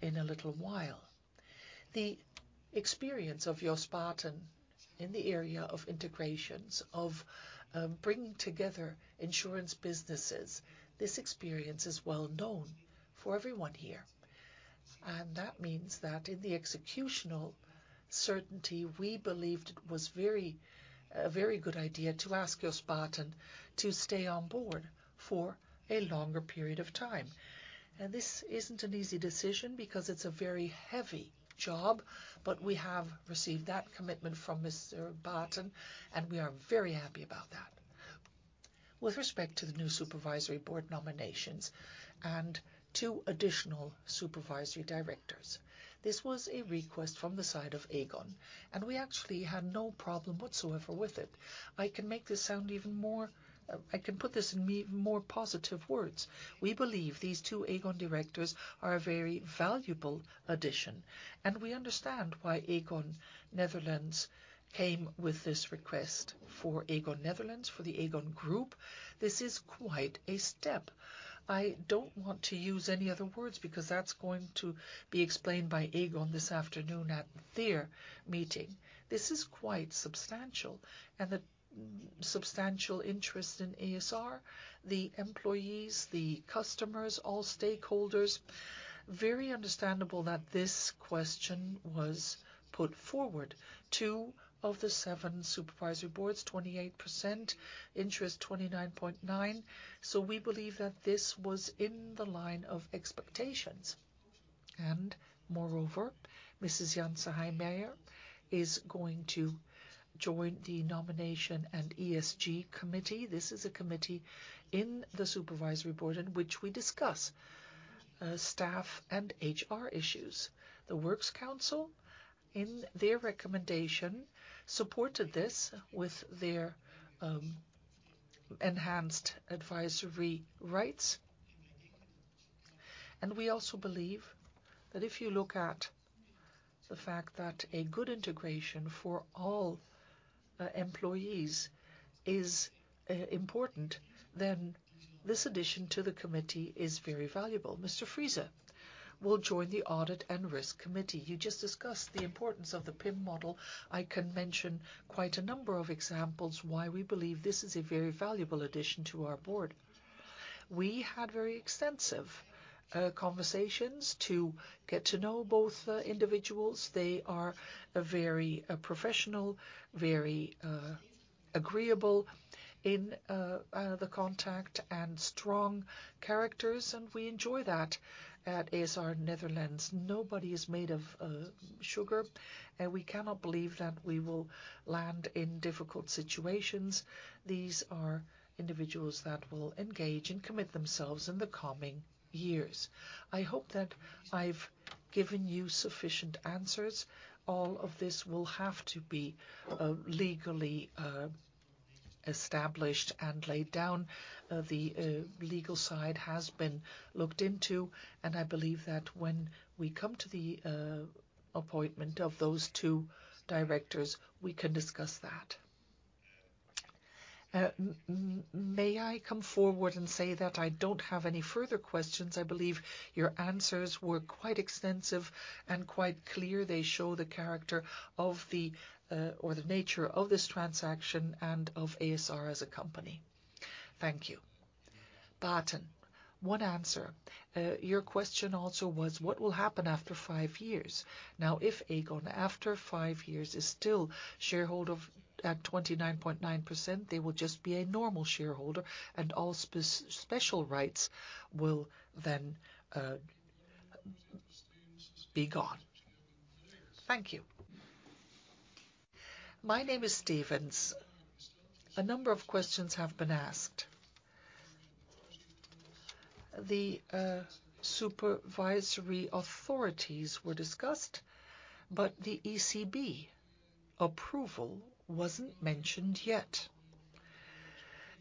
in a little while. The experience of Jos Baeten in the area of integrations of bringing together insurance businesses, this experience is well-known for everyone here. That means that in the executional certainty, we believed it was very, a very good idea to ask Jos Baeten to stay on board for a longer period of time. This isn't an easy decision because it's a very heavy job, but we have received that commitment from Mr. Baeten, and we are very happy about that. With respect to the new supervisory board nominations and two additional supervisory directors, this was a request from the side of Aegon, and we actually had no problem whatsoever with it. I can make this sound even more, I can put this in even more positive words. We believe these two Aegon directors are a very valuable addition. We understand why Aegon Nederland came with this request. For Aegon Nederland, for the Aegon Group, this is quite a step. I don't want to use any other words because that's going to be explained by Aegon this afternoon at their meeting. This is quite substantial. The substantial interest in ASR, the employees, the customers, all stakeholders, very understandable that this question was put forward. Two of the seven supervisory boards, 28% interest, 29.9. We believe that this was in the line of expectations. Moreover, Mrs. Jansen Heijtmajer is going to join the Nomination and ESG Committee. This is a committee in the Supervisory Board in which we discuss staff and HR issues. The Works Council, in their recommendation, supported this with their enhanced advisory rights. We also believe that if you look at the fact that a good integration for all employees is important, then this addition to the committee is very valuable. Mr. Friese will join the audit and risk committee. You just discussed the importance of the PIM model. I can mention quite a number of examples why we believe this is a very valuable addition to our board. We had very extensive conversations to get to know both individuals. They are a very professional, very agreeable in the contact and strong characters, and we enjoy that at ASR Nederland. Nobody is made of sugar, and we cannot believe that we will land in difficult situations. These are individuals that will engage and commit themselves in the coming years. I hope that I've given you sufficient answers. All of this will have to be legally established and laid down. The legal side has been looked into, and I believe that when we come to the appointment of those two directors, we can discuss that. May I come forward and say that I don't have any further questions? I believe your answers were quite extensive and quite clear. They show the character of the or the nature of this transaction and of ASR as a company. Thank you. Baeten. One answer. Your question also was what will happen after five years? If Aegon, after five years, is still shareholder of, at 29.9%, they will just be a normal shareholder, and all special rights will then be gone. Thank you. My name is Stevens. A number of questions have been asked. The supervisory authorities were discussed, but the ECB approval wasn't mentioned yet.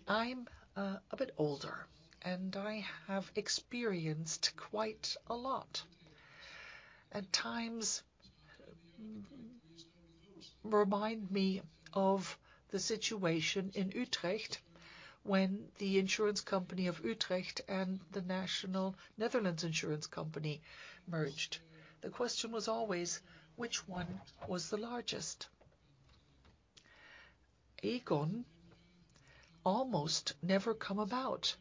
I'm a bit older, and I have experienced quite a lot. At times, remind me of the situation in Utrecht when the insurance company of Utrecht and Nationale-Nederlanden merged. The question was always which one was the largest. Aegon almost never come about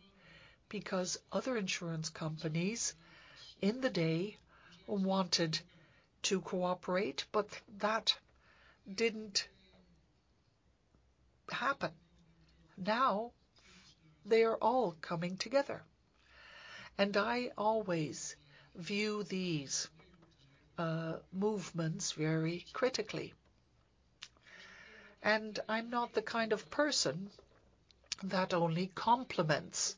because other insurance companies in the day wanted to cooperate, but that didn't happen. Now they are all coming together. I always view these movements very critically. I'm not the kind of person that only compliments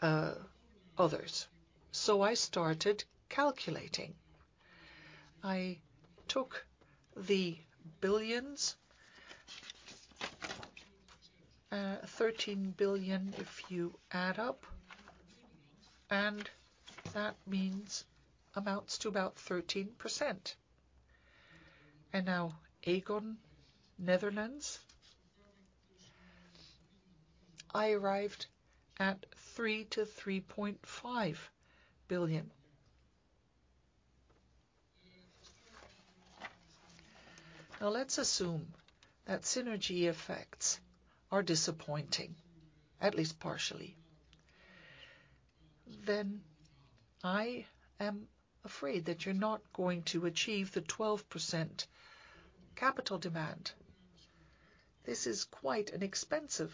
others. I started calculating. I took the billions, 13 billion if you add up, that means amounts to about 13%. Now Aegon Nederland, I arrived at EUR 3 billion-EUR 3.5 billion. Now let's assume that synergy effects are disappointing, at least partially. I am afraid that you're not going to achieve the 12% capital demand. This is quite an expensive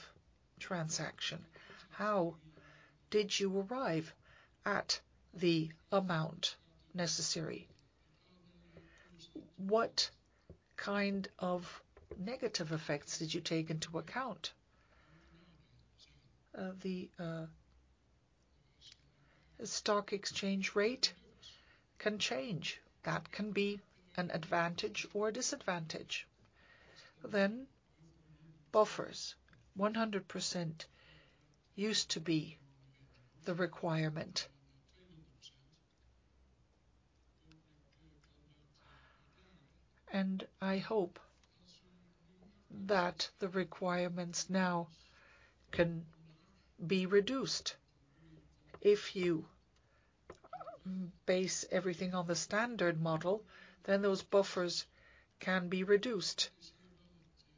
transaction. How did you arrive at the amount necessary? What kind of negative effects did you take into account? The stock exchange rate can change. That can be an advantage or a disadvantage. Buffers. 100% used to be the requirement. I hope that the requirements now can be reduced. If you base everything on the standard model, then those buffers can be reduced.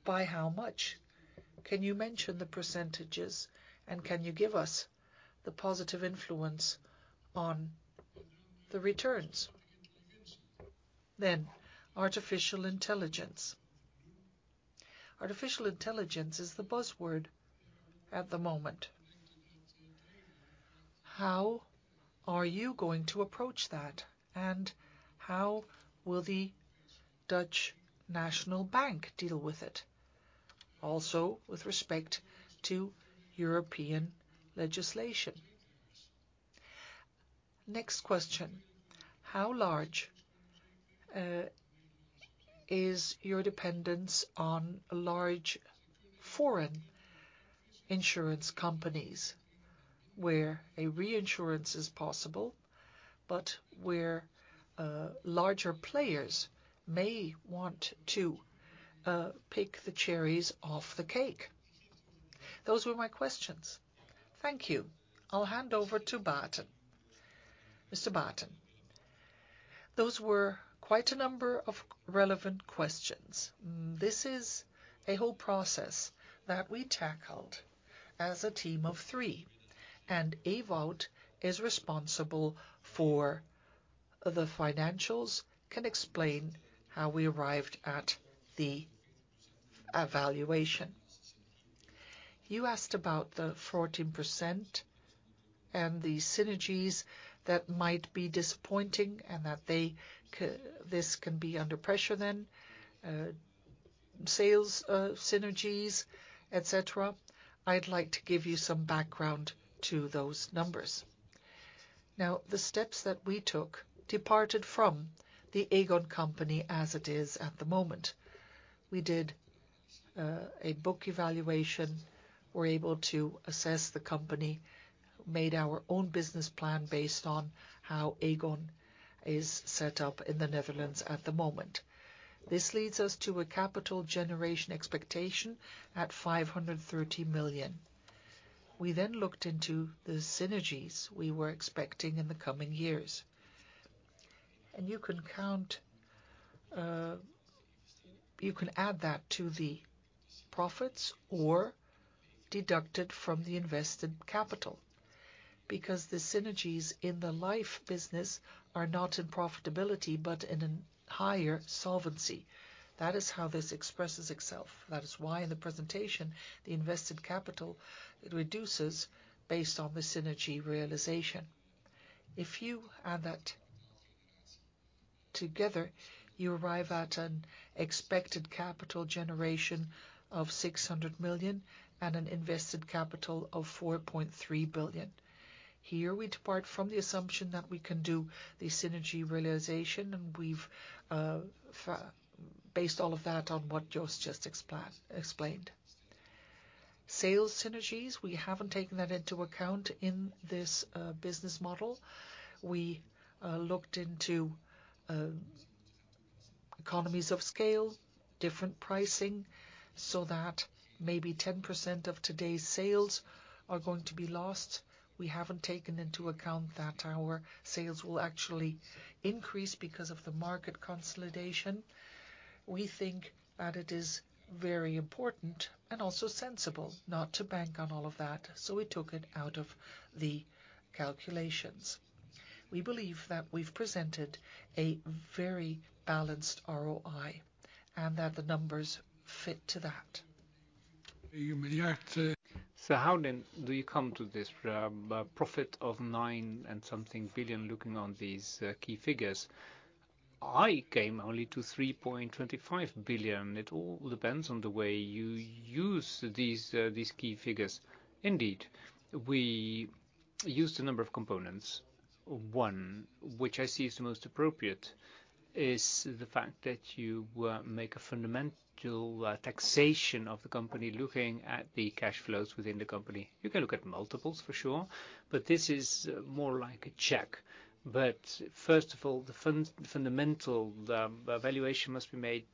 By how much? Can you mention the percentages, and can you give us the positive influence on the returns? Artificial Intelligence. Artificial Intelligence is the buzzword at the moment. How are you going to approach that, and how will De Nederlandsche Bank deal with it, also with respect to European legislation? Next question. How large is your dependence on large foreign insurance companies where a reinsurance is possible, but where larger players may want to pick the cherries off the cake? Those were my questions. Thank you. I'll hand over to Baeten. Mr. Baeten. Those were quite a number of relevant questions. This is a whole process that we tackled as a team of three, and Ewout is responsible for the financials, can explain how we arrived at the evaluation. You asked about the 14% and the synergies that might be disappointing and that this can be under pressure then, sales, synergies, et cetera. I'd like to give you some background to those numbers. The steps that we took departed from the Aegon company as it is at the moment. We did a book evaluation. We're able to assess the company, made our own business plan based on how Aegon is set up in the Netherlands at the moment. This leads us to a capital generation expectation at 530 million. We looked into the synergies we were expecting in the coming years. You can count, you can add that to the profits or deduct it from the invested capital, because the synergies in the life business are not in profitability, but in a higher solvency. That is how this expresses itself. That is why in the presentation, the invested capital reduces based on the synergy realization. If you add that together, you arrive at an expected capital generation of 600 million and an invested capital of 4.3 billion. Here we depart from the assumption that we can do the synergy realization, and we've based all of that on what Joost just explained. Sales synergies, we haven't taken that into account in this business model. We looked into economies of scale, different pricing, so that maybe 10% of today's sales are going to be lost. We haven't taken into account that our sales will actually increase because of the market consolidation. We think that it is very important and also sensible not to bank on all of that. We took it out of the calculations. We believe that we've presented a very balanced ROI and that the numbers fit to that. How then do you come to this profit of 9 and something billion looking on these key figures? I came only to 3.25 billion. It all depends on the way you use these key figures. Indeed. I use the number of components. One, which I see is the most appropriate, is the fact that you make a fundamental taxation of the company looking at the cash flows within the company. You can look at multiples for sure, but this is more like a check. First of all, the fundamental valuation must be made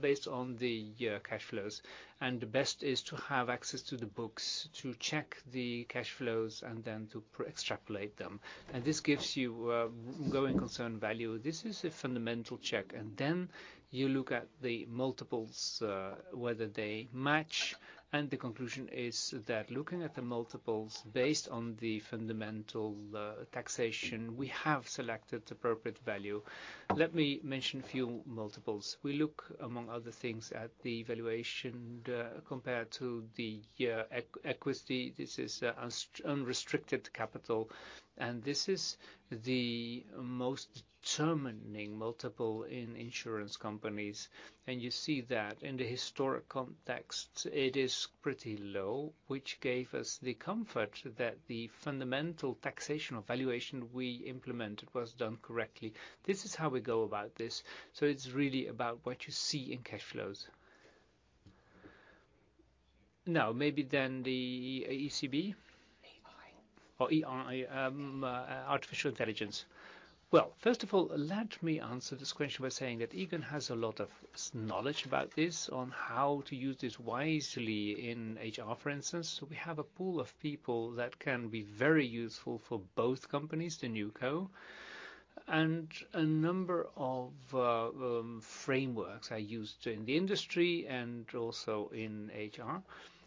based on the cash flows and the best is to have access to the books to check the cash flows and then to extrapolate them. This gives you going concern value. This is a fundamental check. Then you look at the multiples whether they match. The conclusion is that looking at the multiples based on the fundamental taxation, we have selected appropriate value. Let me mention a few multiples. We look, among other things, at the valuation, compared to the equity. This is unrestricted capital. This is the most determining multiple in insurance companies. You see that in the historic context, it is pretty low, which gave us the comfort that the fundamental taxation or valuation we implemented was done correctly. This is how we go about this, so it's really about what you see in cash flows. Maybe the ECB? AI. Oh, AI. Artificial intelligence. Well, first of all, let me answer this question by saying that Aegon has a lot of knowledge about this, on how to use this wisely in HR, for instance. We have a pool of people that can be very useful for both companies, the NewCo, and a number of frameworks are used in the industry and also in HR.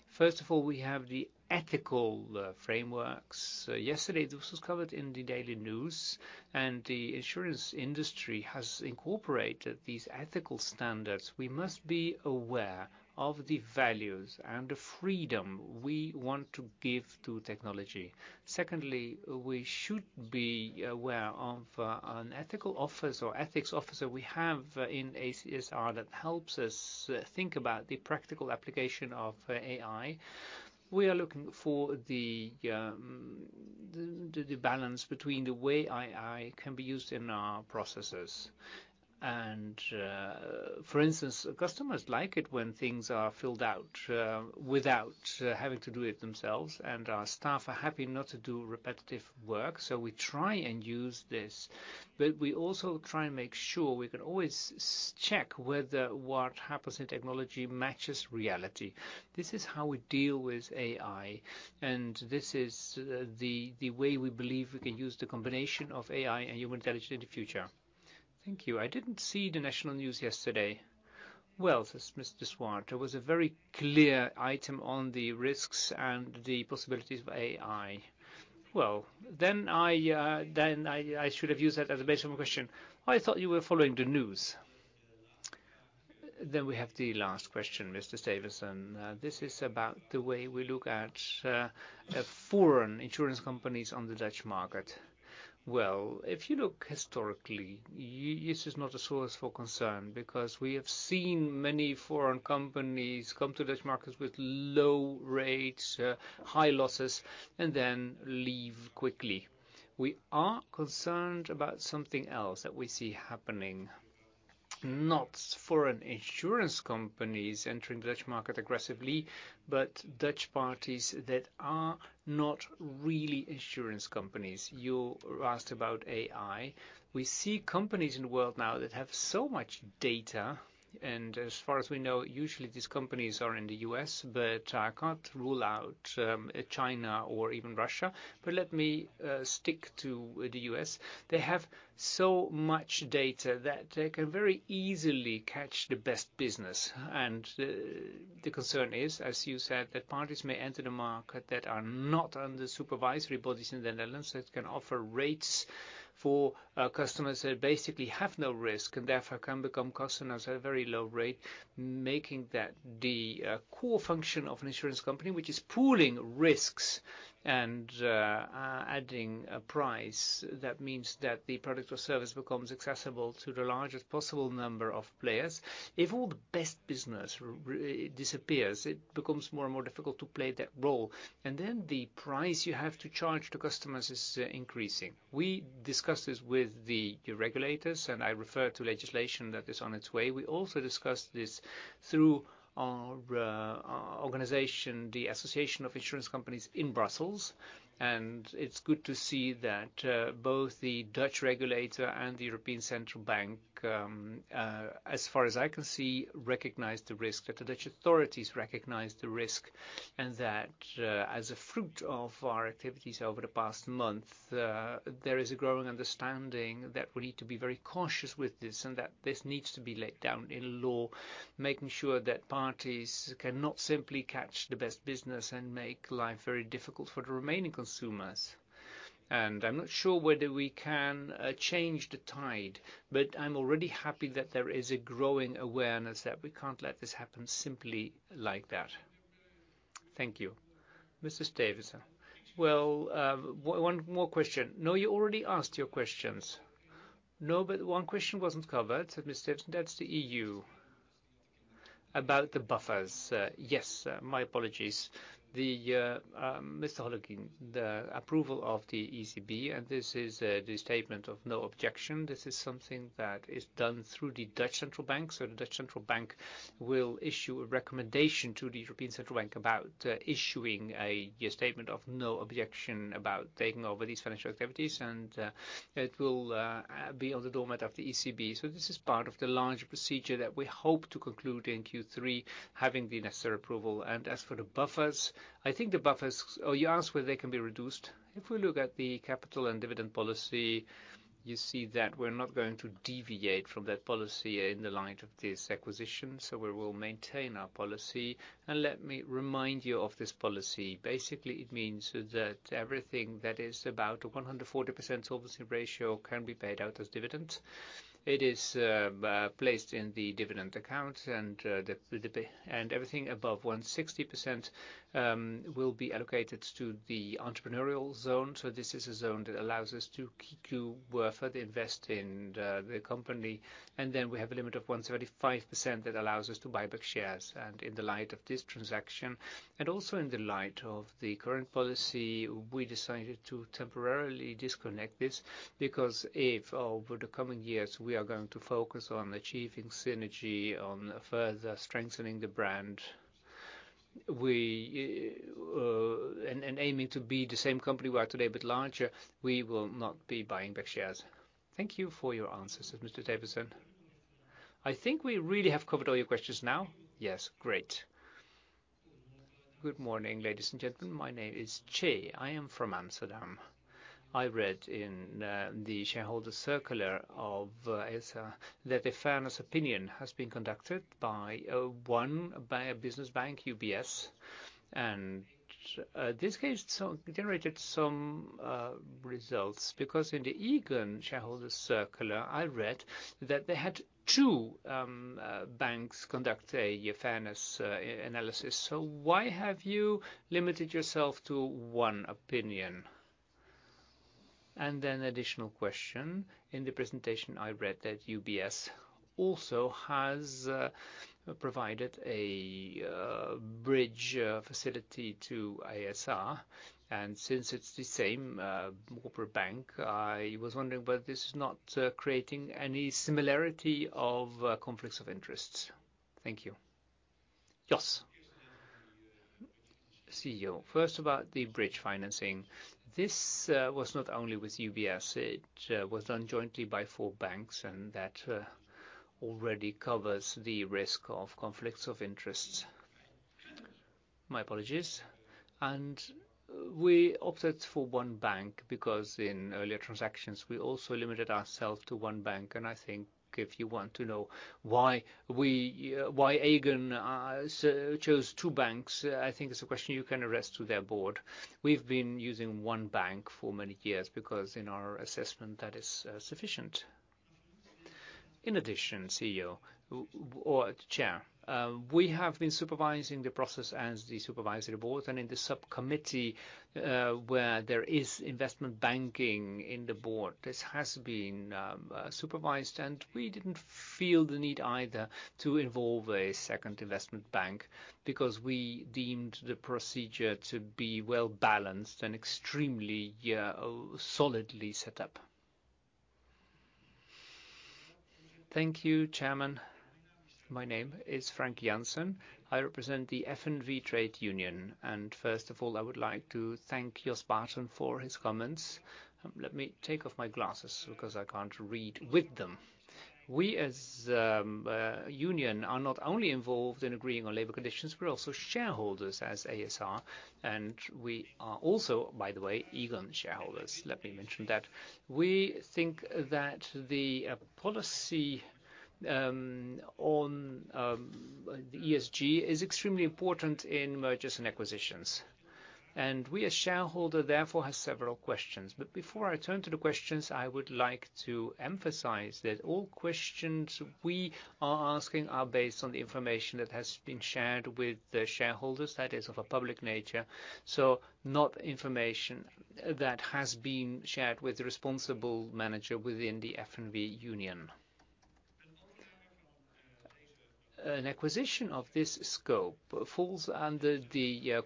First of all, we have the ethical frameworks. Yesterday, this was covered in the daily news. The insurance industry has incorporated these ethical standards. We must be aware of the values and the freedom we want to give to technology. Secondly, we should be aware of an ethical office or ethics officer we have in ASR that helps us think about the practical application of AI. We are looking for the balance between the way AI can be used in our processes. For instance, customers like it when things are filled out without having to do it themselves, and our staff are happy not to do repetitive work. We try and use this, but we also try and make sure we can always check whether what happens in technology matches reality. This is how we deal with AI, and this is the way we believe we can use the combination of AI and human intelligence in the future. Thank you. I didn't see the national news yesterday. Says Mr. Swart, there was a very clear item on the risks and the possibilities of AI. Then I should have used that as the base of my question. I thought you were following the news. We have the last question, Mr. Stevenson. This is about the way we look at foreign insurance companies on the Dutch market. Well, if you look historically, this is not a source for concern because we have seen many foreign companies come to Dutch markets with low rates, high losses, and then leave quickly. We are concerned about something else that we see happening. Not foreign insurance companies entering the Dutch market aggressively, but Dutch parties that are not really insurance companies. You asked about AI. We see companies in the world now that have so much data, and as far as we know, usually these companies are in the U.S., but I can't rule out China or even Russia. Let me stick to the U.S. They have so much data that they can very easily catch the best business. The concern is, as you said, that parties may enter the market that are not under supervisory bodies in the Netherlands, that can offer rates for customers that basically have no risk and therefore can become customers at a very low rate, making that the core function of an insurance company, which is pooling risks and adding a price. That means that the product or service becomes accessible to the largest possible number of players. If all the best business disappears, it becomes more and more difficult to play that role, and then the price you have to charge to customers is increasing. We discussed this with the regulators, and I refer to legislation that is on its way. We also discussed this through our organization, the Association of Insurance Companies in Brussels. It's good to see that both the Dutch regulator and the European Central Bank, as far as I can see, recognize the risk, that the Dutch authorities recognize the risk, and that, as a fruit of our activities over the past month, there is a growing understanding that we need to be very cautious with this and that this needs to be laid down in law, making sure that parties cannot simply catch the best business and make life very difficult for the remaining consumers. I'm not sure whether we can change the tide, but I'm already happy that there is a growing awareness that we can't let this happen simply like that. Thank you. Mr. Stevenson. Well, one more question. No, you already asked your questions. No, one question wasn't covered, said Mr. Stevenson. That's the E.U. about the buffers, yes, my apologies. Mr. Hollegien, the approval of the ECB, this is the statement of no objection. This is something that is done through the Dutch Central Bank. The Dutch Central Bank will issue a recommendation to the European Central Bank about issuing a year statement of no objection about taking over these financial activities. It will be on the doormat of the ECB. This is part of the larger procedure that we hope to conclude in Q3, having the necessary approval. As for the buffers, I think the buffers. Oh, you asked whether they can be reduced. If we look at the capital and dividend policy, you see that we're not going to deviate from that policy in the light of this acquisition, so we will maintain our policy. Let me remind you of this policy. Basically, it means that everything that is about 140% solvency ratio can be paid out as dividends. It is placed in the dividend account and everything above 160% will be allocated to the entrepreneurial zone. This is a zone that allows us to further invest in the company. We have a limit of 175% that allows us to buy back shares. In the light of this transaction, and also in the light of the current policy, we decided to temporarily disconnect this, because if over the coming years we are going to focus on achieving synergy, on further strengthening the brand, we aiming to be the same company we are today a bit larger, we will not be buying back shares. Thank you for your answers, Mr. Davidson. I think we really have covered all your questions now. Yes. Great. Good morning, ladies and gentlemen. My name is Che. I am from Amsterdam. I read in the shareholder circular of ASR that a fairness opinion has been conducted by a business bank, UBS. This case so generated some results because in the Aegon shareholder circular, I read that they had two banks conduct a fairness analysis. Why have you limited yourself to one opinion? Additional question. In the presentation, I read that UBS also has provided a bridge facility to ASR. Since it's the same corporate bank, I was wondering whether this is not creating any similarity of conflicts of interests. Thank you. Yes. CEO. First about the bridge financing. This was not only with UBS. It was done jointly by four banks, and that already covers the risk of conflicts of interests. My apologies. We opted for one bank because in earlier transactions we also limited ourselves to one bank. I think if you want to know why we, why Aegon chose two banks, I think it's a question you can address to their board. We've been using one bank for many years because in our assessment that is sufficient. In addition, CEO, or Chair, we have been supervising the process as the supervisory board and in the subcommittee where there is investment banking in the board. This has been supervised, and we didn't feel the need either to involve a second investment bank because we deemed the procedure to be well-balanced and extremely solidly set up. Thank you, Chairman. My name is Frank Janssen. I represent the FNV trade union. First of all, I would like to thank Jos Baeten for his comments. Let me take off my glasses because I can't read with them. We as union are not only involved in agreeing on labor conditions, we're also shareholders as ASR, and we are also, by the way, Aegon shareholders. Let me mention that. We think that the policy on the ESG is extremely important in mergers and acquisitions. We, as shareholder therefore, have several questions. Before I turn to the questions, I would like to emphasize that all questions we are asking are based on the information that has been shared with the shareholders, that is of a public nature, so not information that has been shared with the responsible manager within the FNV union. An acquisition of this scope falls under the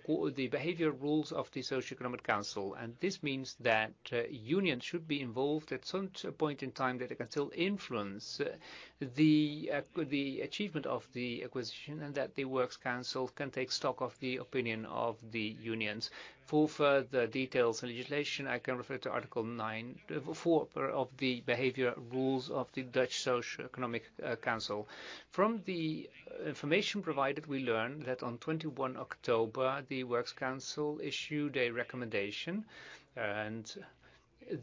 behavior rules of the Social and Economic Council, and this means that union should be involved at some point in time that it can still influence the achievement of the acquisition, and that the works council can take stock of the opinion of the unions. For further details and legislation, I can refer to Article 9, four per of the behavior rules of the Dutch Social and Economic Council. From the information provided, we learn that on October 21, the works council issued a recommendation, and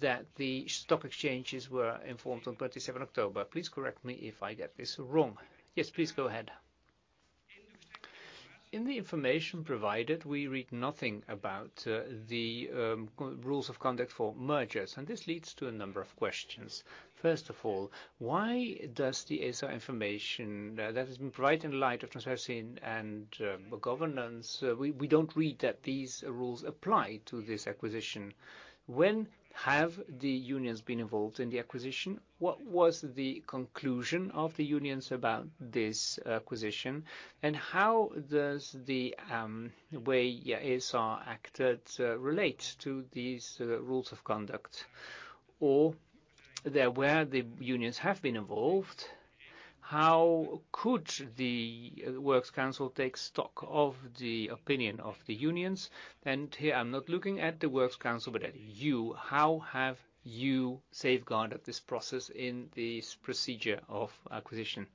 that the stock exchanges were informed on October 27. Please correct me if I get this wrong. Yes, please go ahead. In the information provided, we read nothing about the co- rules of conduct for mergers, and this leads to a number of questions. First of all, why does the ASR information that has been provided in light of transparency and governance, we don't read that these rules apply to this acquisition. When have the unions been involved in the acquisition? What was the conclusion of the unions about this acquisition? How does the way ASR acted relate to these rules of conduct? There where the unions have been involved, how could the works council take stock of the opinion of the unions? Here I'm not looking at the works council, but at you. How have you safeguarded this process in this procedure of acquisition?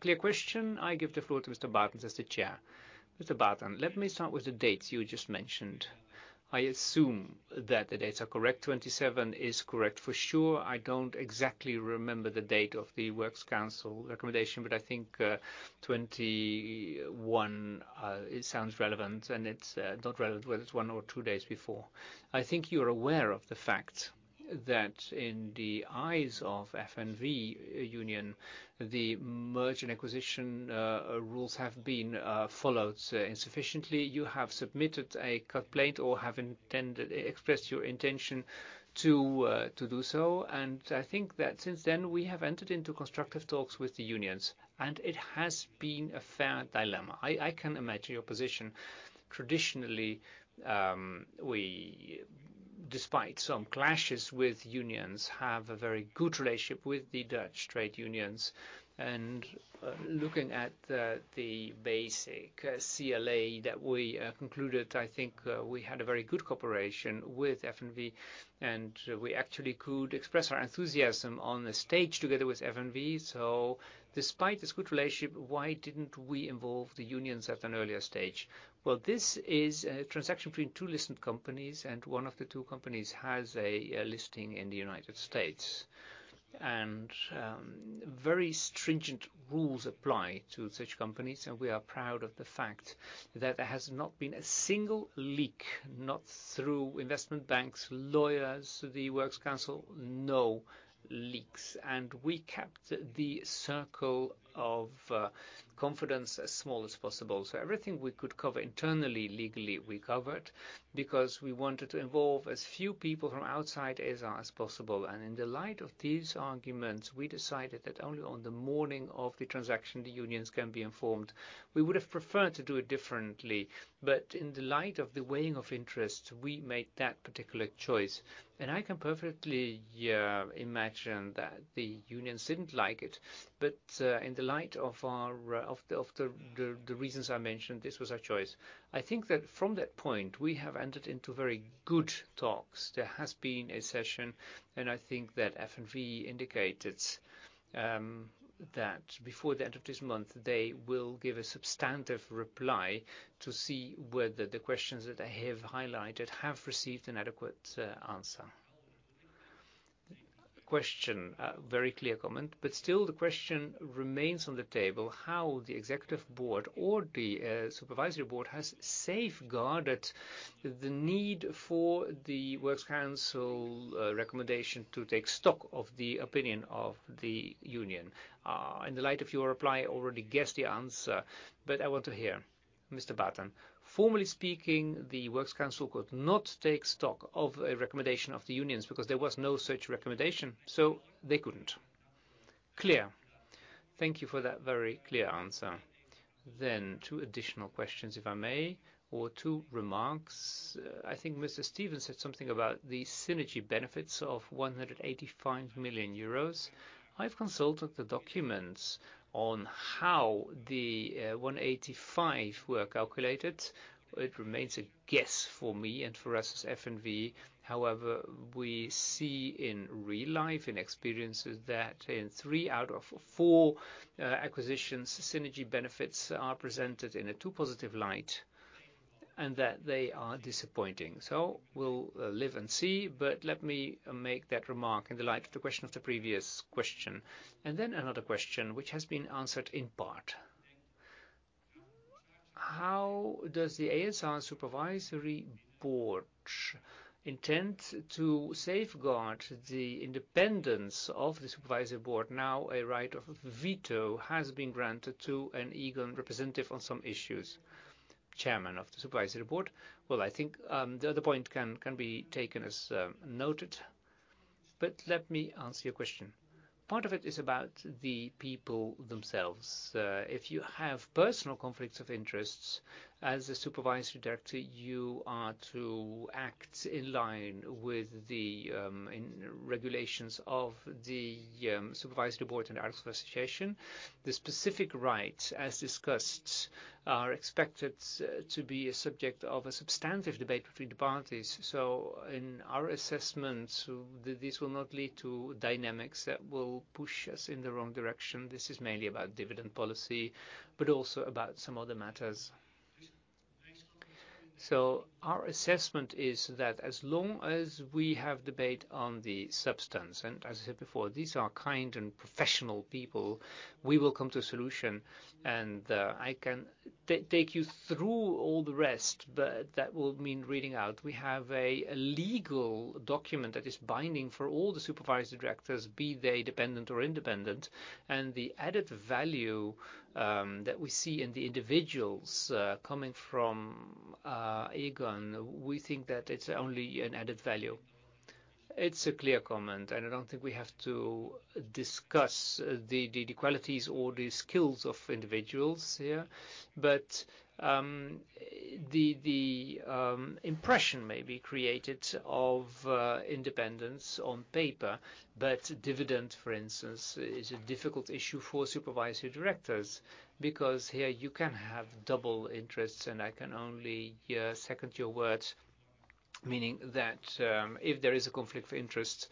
Clear question. I give the floor to Mr. Baeten as the Chair. Mr. Baeten, let me start with the dates you just mentioned. I assume that the dates are correct. 27 is correct for sure. I don't exactly remember the date of the Works Council recommendation, but I think 21 it sounds relevant. It's not relevant whether it's one or two days before. I think you're aware of the fact that in the eyes of FNV union, the merge and acquisition rules have been followed insufficiently. You have submitted a complaint or expressed your intention to do so. I think that since then we have entered into constructive talks with the unions, and it has been a fair dilemma. I can imagine your position. Traditionally, we, despite some clashes with unions, have a very good relationship with the Dutch trade unions. Looking at the basic CLA that we concluded, I think we had a very good cooperation with FNV and we actually could express our enthusiasm on the stage together with FNV. Despite this good relationship, why didn't we involve the unions at an earlier stage? This is a transaction between two listed companies, and one of the two companies has a listing in the United States. Very stringent rules apply to such companies. We are proud of the fact that there has not been a single leak, not through investment banks, lawyers, the works council, no leaks. We kept the circle of confidence as small as possible. Everything we could cover internally, legally, we covered because we wanted to involve as few people from outside ASR as possible. In the light of these arguments, we decided that only on the morning of the transaction the unions can be informed. We would have preferred to do it differently, but in the light of the weighing of interests, we made that particular choice. I can perfectly, yeah, imagine that the unions didn't like it. In the light of our of the reasons I mentioned, this was our choice. I think that from that point, we have entered into very good talks. There has been a session. I think that FNV indicated that before the end of this month, they will give a substantive reply to see whether the questions that I have highlighted have received an adequate answer. Question. Very clear comment, still the question remains on the table, how the executive board or the supervisory board has safeguarded the need for the Works Council recommendation to take stock of the opinion of the union. In the light of your reply, I already guessed the answer, I want to hear. Mr. Baeten. Formally speaking, the Works Council could not take stock of a recommendation of the unions because there was no such recommendation, they couldn't. Clear. Thank you for that very clear answer. Two additional questions, if I may, or two remarks. I think Mr. Steven said something about the synergy benefits of 185 million euros. I've consulted the documents on how the 185 were calculated. It remains a guess for me and for us as FNV. We see in real life, in experiences, that in three out of four acquisitions, synergy benefits are presented in a too positive light and that they are disappointing. We'll live and see, but let me make that remark in the light of the question of the previous question. Another question which has been answered in part. How does the ASR Supervisory Board intend to safeguard the independence of the Supervisory Board now a right of veto has been granted to an Aegon representative on some issues? Chairman of the Supervisory Board. I think the other point can be taken as noted, but let me answer your question. Part of it is about the people themselves. If you have personal conflicts of interests as a supervisory director, you are to act in line with the regulations of the Supervisory Board and Articles of Association. The specific rights as discussed are expected to be a subject of a substantive debate between the parties. In our assessment, this will not lead to dynamics that will push us in the wrong direction. This is mainly about dividend policy, but also about some other matters. Our assessment is that as long as we have debate on the substance, and as I said before, these are kind and professional people, we will come to a solution. I can take you through all the rest, but that will mean reading out. We have a legal document that is binding for all the supervisory directors, be they dependent or independent. The added value that we see in the individuals coming from Aegon, we think that it's only an added value. It's a clear comment, and I don't think we have to discuss the qualities or the skills of individuals here. The impression may be created of independence on paper, but dividend, for instance, is a difficult issue for supervisory directors because here you can have double interests, and I can only second your words, meaning that if there is a conflict of interest,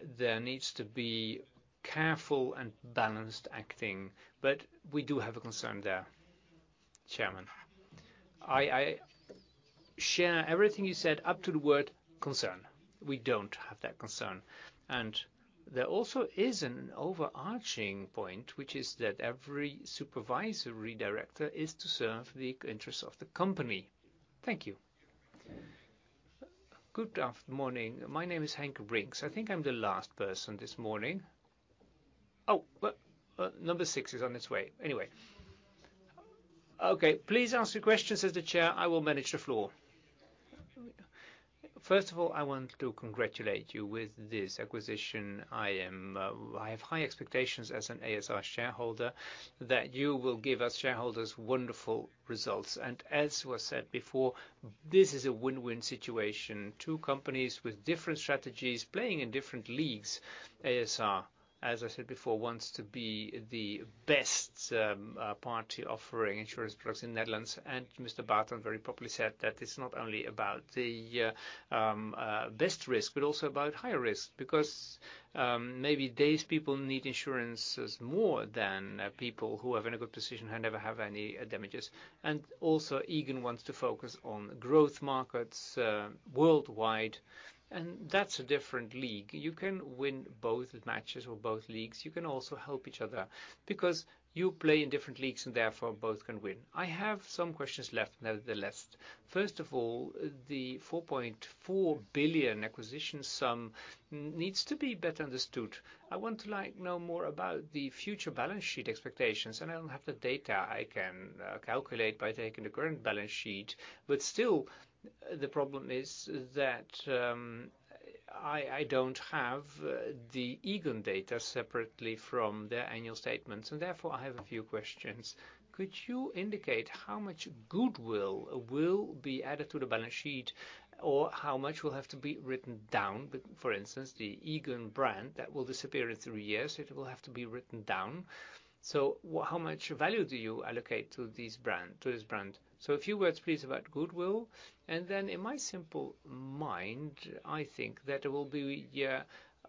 there needs to be careful and balanced acting. We do have a concern there, Chairman. I share everything you said up to the word concern. We don't have that concern. There also is an overarching point, which is that every supervisory director is to serve the interests of the company. Thank you. Good morning. My name is Henk Brinks. I think I'm the last person this morning. Number six is on its way. Anyway. Please ask your questions. As the Chair, I will manage the floor. First of all, I want to congratulate you with this acquisition. I have high expectations as an ASR shareholder that you will give us shareholders wonderful results. As was said before, this is a win-win situation. Two companies with different strategies playing in different leagues. ASR, as I said before, wants to be the best party offering insurance products in the Netherlands. Mr. Baeten very properly said that it's not only about the best risk, but also about higher risk, because maybe these people need insurances more than people who are having a good position and never have any damages. Also, Aegon wants to focus on growth markets worldwide, and that's a different league. You can win both matches or both leagues. You can also help each other because you play in different leagues and therefore both can win. I have some questions left nevertheless. First of all, the 4.4 billion acquisition sum needs to be better understood. I want to like, know more about the future balance sheet expectations. I don't have the data I can calculate by taking the current balance sheet. Still, the problem is that I don't have the Aegon data separately from their annual statements, and therefore I have a few questions. Could you indicate how much goodwill will be added to the balance sheet or how much will have to be written down? For instance, the Aegon brand that will disappear in three years, it will have to be written down. How much value do you allocate to this brand? A few words please, about goodwill. In my simple mind, I think that it will be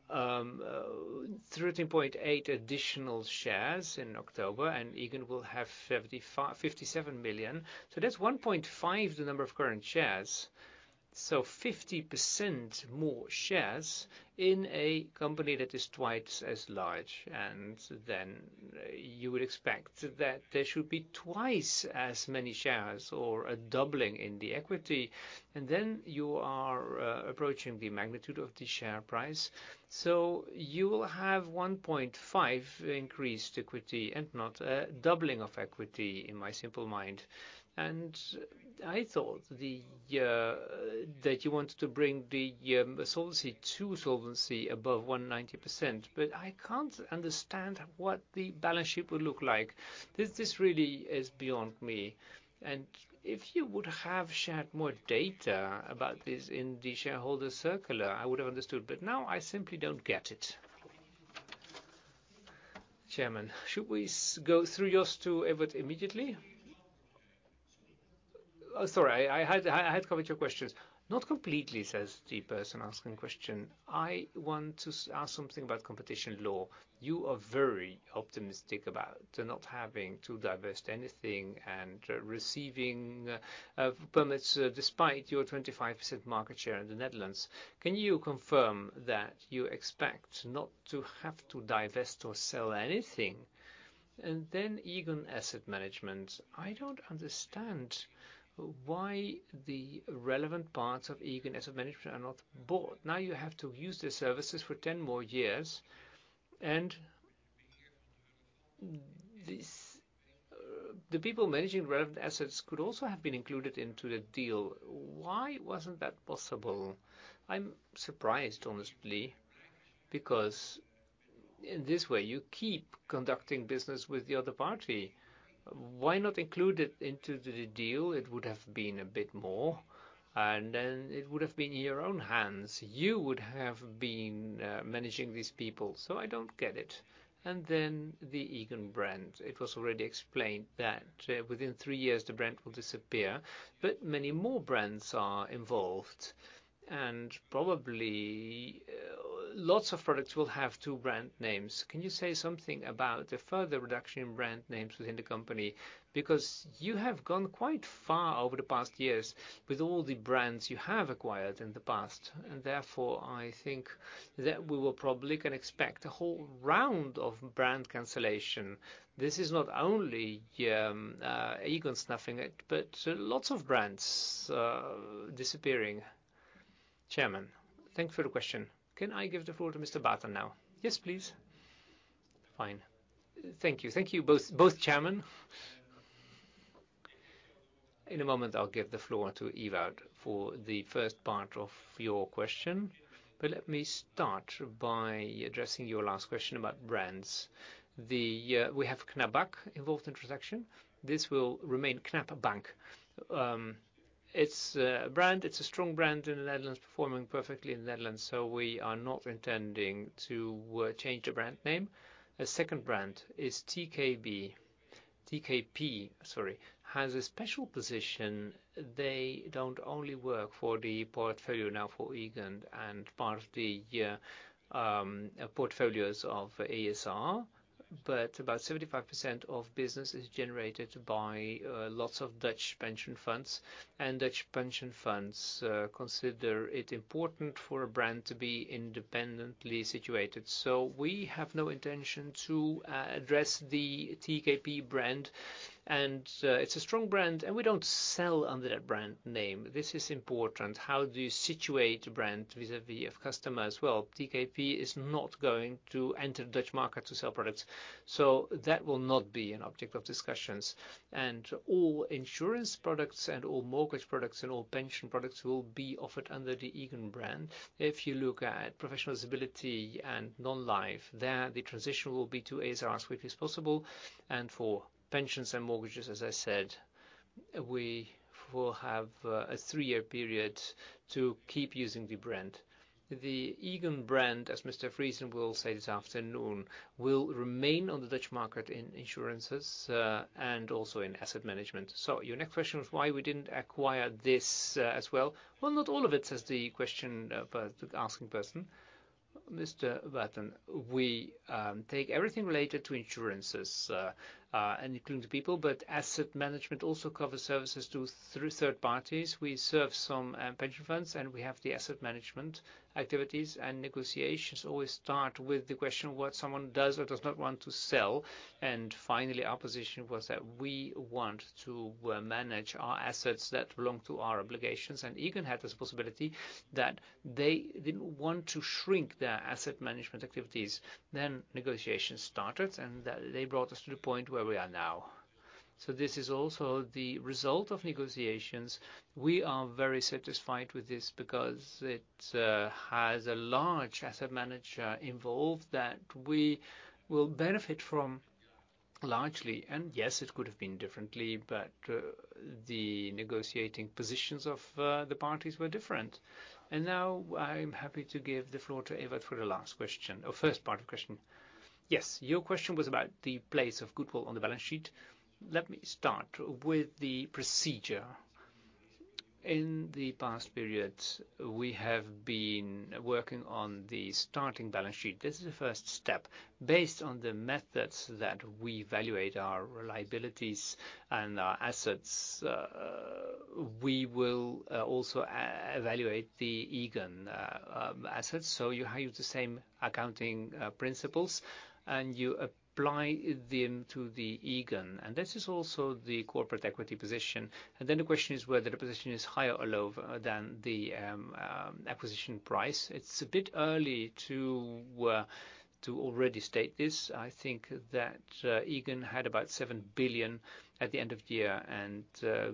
13.8 additional shares in October and Aegon will have 57 million. That's 1.5 the number of current shares, 50% more shares in a company that is twice as large. You would expect that there should be twice as many shares or a doubling in the equity. You are approaching the magnitude of the share price. You will have 1.5 increased equity and not a doubling of equity, in my simple mind. I thought that you wanted to bring the solvency to solvency above 190%, but I can't understand what the balance sheet would look like. This really is beyond me. If you would have shared more data about this in the shareholder circular, I would have understood, but now I simply don't get it. Chairman, should we go through just to Evert immediately? Oh, sorry, I had covered your questions. Not completely, says the person asking the question. I want to ask something about competition law. You are very optimistic about not having to divest anything and receiving permits despite your 25% market share in the Netherlands. Can you confirm that you expect not to have to divest or sell anything? Aegon Asset Management. I don't understand why the relevant parts of Aegon Asset Management are not bought. Now you have to use their services for 10 more years, and the people managing relevant assets could also have been included into the deal. Why wasn't that possible? I'm surprised, honestly, because in this way you keep conducting business with the other party. Why not include it into the deal? It would have been a bit more, and then it would have been in your own hands. You would have been managing these people. I don't get it. The Aegon brand, it was already explained that within three years the brand will disappear, but many more brands are involved and probably lots of products will have two brand names. Can you say something about the further reduction in brand names within the company? You have gone quite far over the past years with all the brands you have acquired in the past, I think that we will probably can expect a whole round of brand cancellation. This is not only Aegon snuffing it, but lots of brands disappearing. Chairman? Thank you for the question. Can I give the floor to Mr. Baeten now? Yes, please. Fine. Thank you. Thank you both. Both chairmen in a moment, I'll give the floor to Ewout for the first part of your question. Let me start by addressing your last question about brands. The we have Knab bank involved in transaction. This will remain Knab bank. It's a brand. It's a strong brand in the Netherlands, performing perfectly in the Netherlands, so we are not intending to change the brand name. The second brand is TKP. TKP, sorry, has a special position. They don't only work for the portfolio now for Aegon and part of the portfolios of ASR, but about 75% of business is generated by lots of Dutch pension funds. Dutch pension funds consider it important for a brand to be independently situated. We have no intention to address the TKP brand. It's a strong brand, and we don't sell under that brand name. This is important. How do you situate a brand vis-à-vis of customers? Well, TKP is not going to enter Dutch market to sell products, that will not be an object of discussions. All insurance products and all mortgage products and all pension products will be offered under the Aegon brand. If you look at professional disability and non-life, there, the transition will be to ASR as quickly as possible. For pensions and mortgages, as I said, we will have a three-year period to keep using the brand. The Aegon brand, as Mr. Friese will say this afternoon, will remain on the Dutch market in insurances and also in asset management. Your next question was why we didn't acquire this as well. Not all of it, says the question for the asking person, Mr. Baeten. We take everything related to insurances and including the people, but asset management also covers services through third parties. We serve some pension funds, and we have the asset management activities. Negotiations always start with the question what someone does or does not want to sell. Finally, our position was that we want to manage our assets that belong to our obligations. Aegon had this possibility that they didn't want to shrink their asset management activities. Negotiations started, and they brought us to the point where we are now. This is also the result of negotiations. We are very satisfied with this because it has a large asset manager involved that we will benefit from largely. Yes, it could have been differently, but the negotiating positions of the parties were different. Now I'm happy to give the floor to Ewout for the last question or first part of the question. Y es. Your question was about the place of goodwill on the balance sheet. Let me start with the procedure. In the past period, we have been working on the starting balance sheet. This is the first step. Based on the methods that we evaluate our liabilities and our assets, we will also evaluate the Aegon assets. You have the same accounting principles, and you apply them to the Aegon, and this is also the corporate equity position. The question is whether the position is higher or lower than the acquisition price. It's a bit early to already state this. I think that Aegon had about 7 billion at the end of the year, and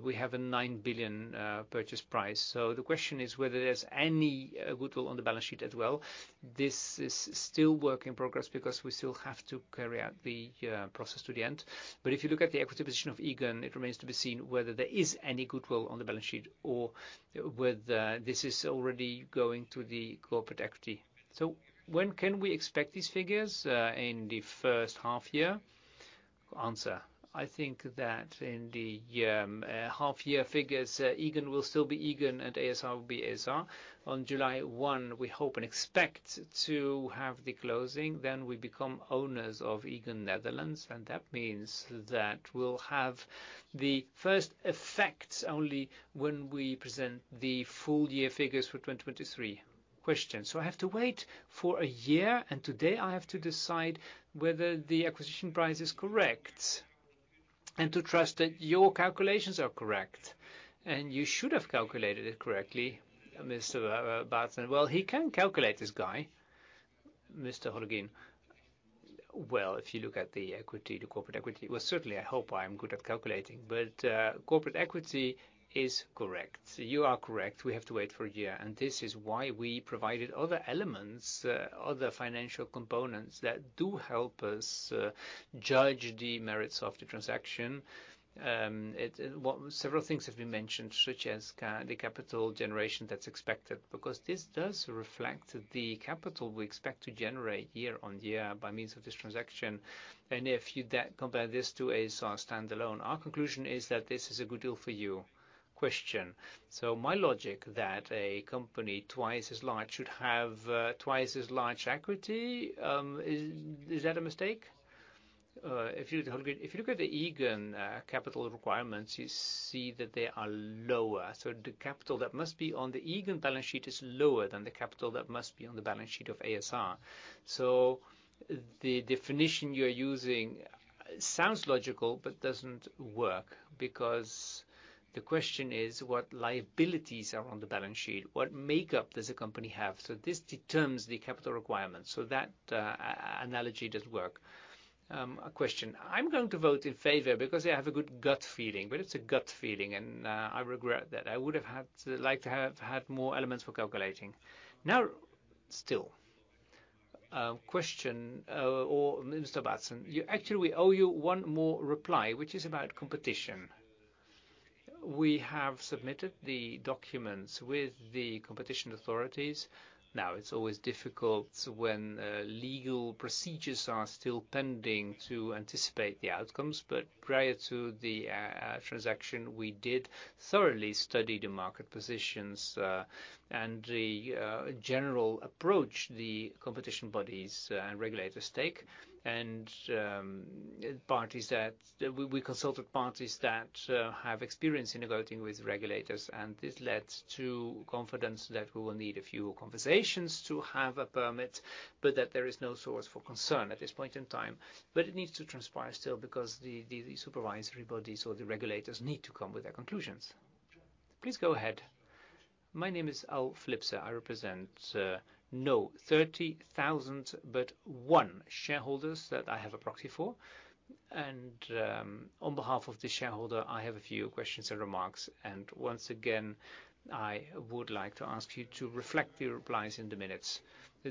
we have a 9 billion purchase price. The question is whether there's any goodwill on the balance sheet as well. This is still work in progress because we still have to carry out the process to the end. If you look at the equity position of Aegon, it remains to be seen whether there is any goodwill on the balance sheet or whether this is already going to the corporate equity. When can we expect these figures in the first half year? Answer. I think that in the half year figures, Aegon will still be Aegon and ASR will be ASR. On July 1, we hope and expect to have the closing, then we become owners of Aegon Nederland. That means that we'll have the first effects only when we present the full year figures for 2023. Question. I have to wait for a year, and today I have to decide whether the acquisition price is correct and to trust that your calculations are correct. You should have calculated it correctly, Mr. Baeten. He can calculate this guy, Mr. Hollegien. If you look at the equity, the corporate equity... Certainly, I hope I am good at calculating. Corporate equity is correct. You are correct. We have to wait for one year. This is why we provided other elements, other financial components that do help us judge the merits of the transaction. It... Several things have been mentioned, such as the capital generation that's expected, because this does reflect the capital we expect to generate year-on-year by means of this transaction. If you compare this to ASR standalone, our conclusion is that this is a good deal for you. Question. My logic that a company twice as large should have twice as large equity, is that a mistake? If you, Hollegien, if you look at the Aegon capital requirements, you see that they are lower. The capital that must be on the Aegon balance sheet is lower than the capital that must be on the balance sheet of ASR. The definition you're using sounds logical but doesn't work because. The question is what liabilities are on the balance sheet, what makeup does a company have? This determines the capital requirements, so that analogy does work. A question. I'm going to vote in favor because I have a good gut feeling, but it's a gut feeling and I regret that. I would have liked to have had more elements for calculating. Now, still, a question, Mr. Baeten, you actually, we owe you one more reply, which is about competition. We have submitted the documents with the competition authorities. It's always difficult when legal procedures are still pending to anticipate the outcomes. Prior to the transaction, we did thoroughly study the market positions and the general approach the competition bodies and regulators take. We consulted parties that have experience in negotiating with regulators, and this led to confidence that we will need a few conversations to have a permit, but that there is no source for concern at this point in time. It needs to transpire still because the supervisory bodies or the regulators need to come with their conclusions. Please go ahead. My name is Ab Flipse. I represent no 30,000 but one shareholders that I have a proxy for. On behalf of the shareholder, I have a few questions and remarks. Once again, I would like to ask you to reflect your replies in the minutes.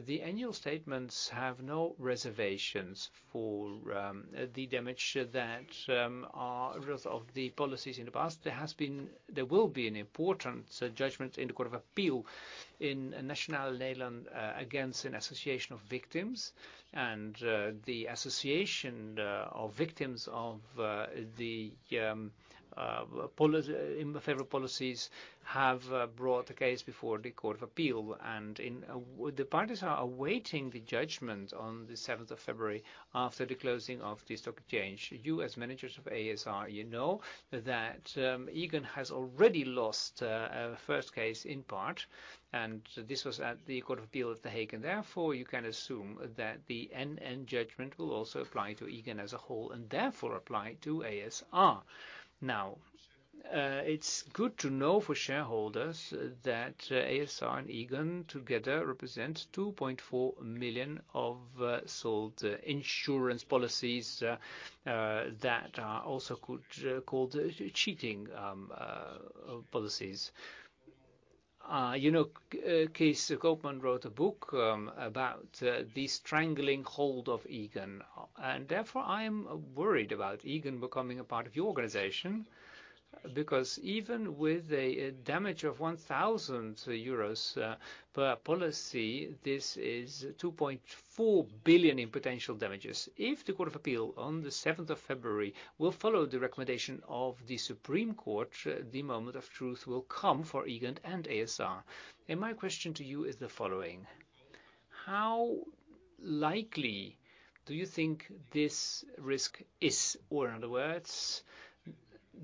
The annual statements have no reservations for the damage that are result of the policies in the past. There will be an important judgment in the Court of Appeal in Nationale-Nederland against an association of victims. The association of victims of the unfavorable policies have brought the case before the Court of Appeal. The parties are awaiting the judgment on the seventh of February after the closing of the stock exchange. You as managers of ASR, you know that Aegon has already lost the first case in part, and this was at the Court of Appeal at The Hague. You can assume that the NN judgment will also apply to Aegon as a whole and therefore apply to ASR. It's good to know for shareholders that ASR and Aegon together represent 2.4 million of sold insurance policies that are also called cheating policies. You know, Kees Koopman wrote a book about the strangling hold of Aegon. I am worried about Aegon becoming a part of your organization, because even with a damage of 1,000 euros per policy, this is 2.4 billion in potential damages. If the Court of Appeal on the February 7th will follow the recommendation of the Supreme Court, the moment of truth will come for Aegon and ASR. My question to you is the following: How likely do you think this risk is? In other words,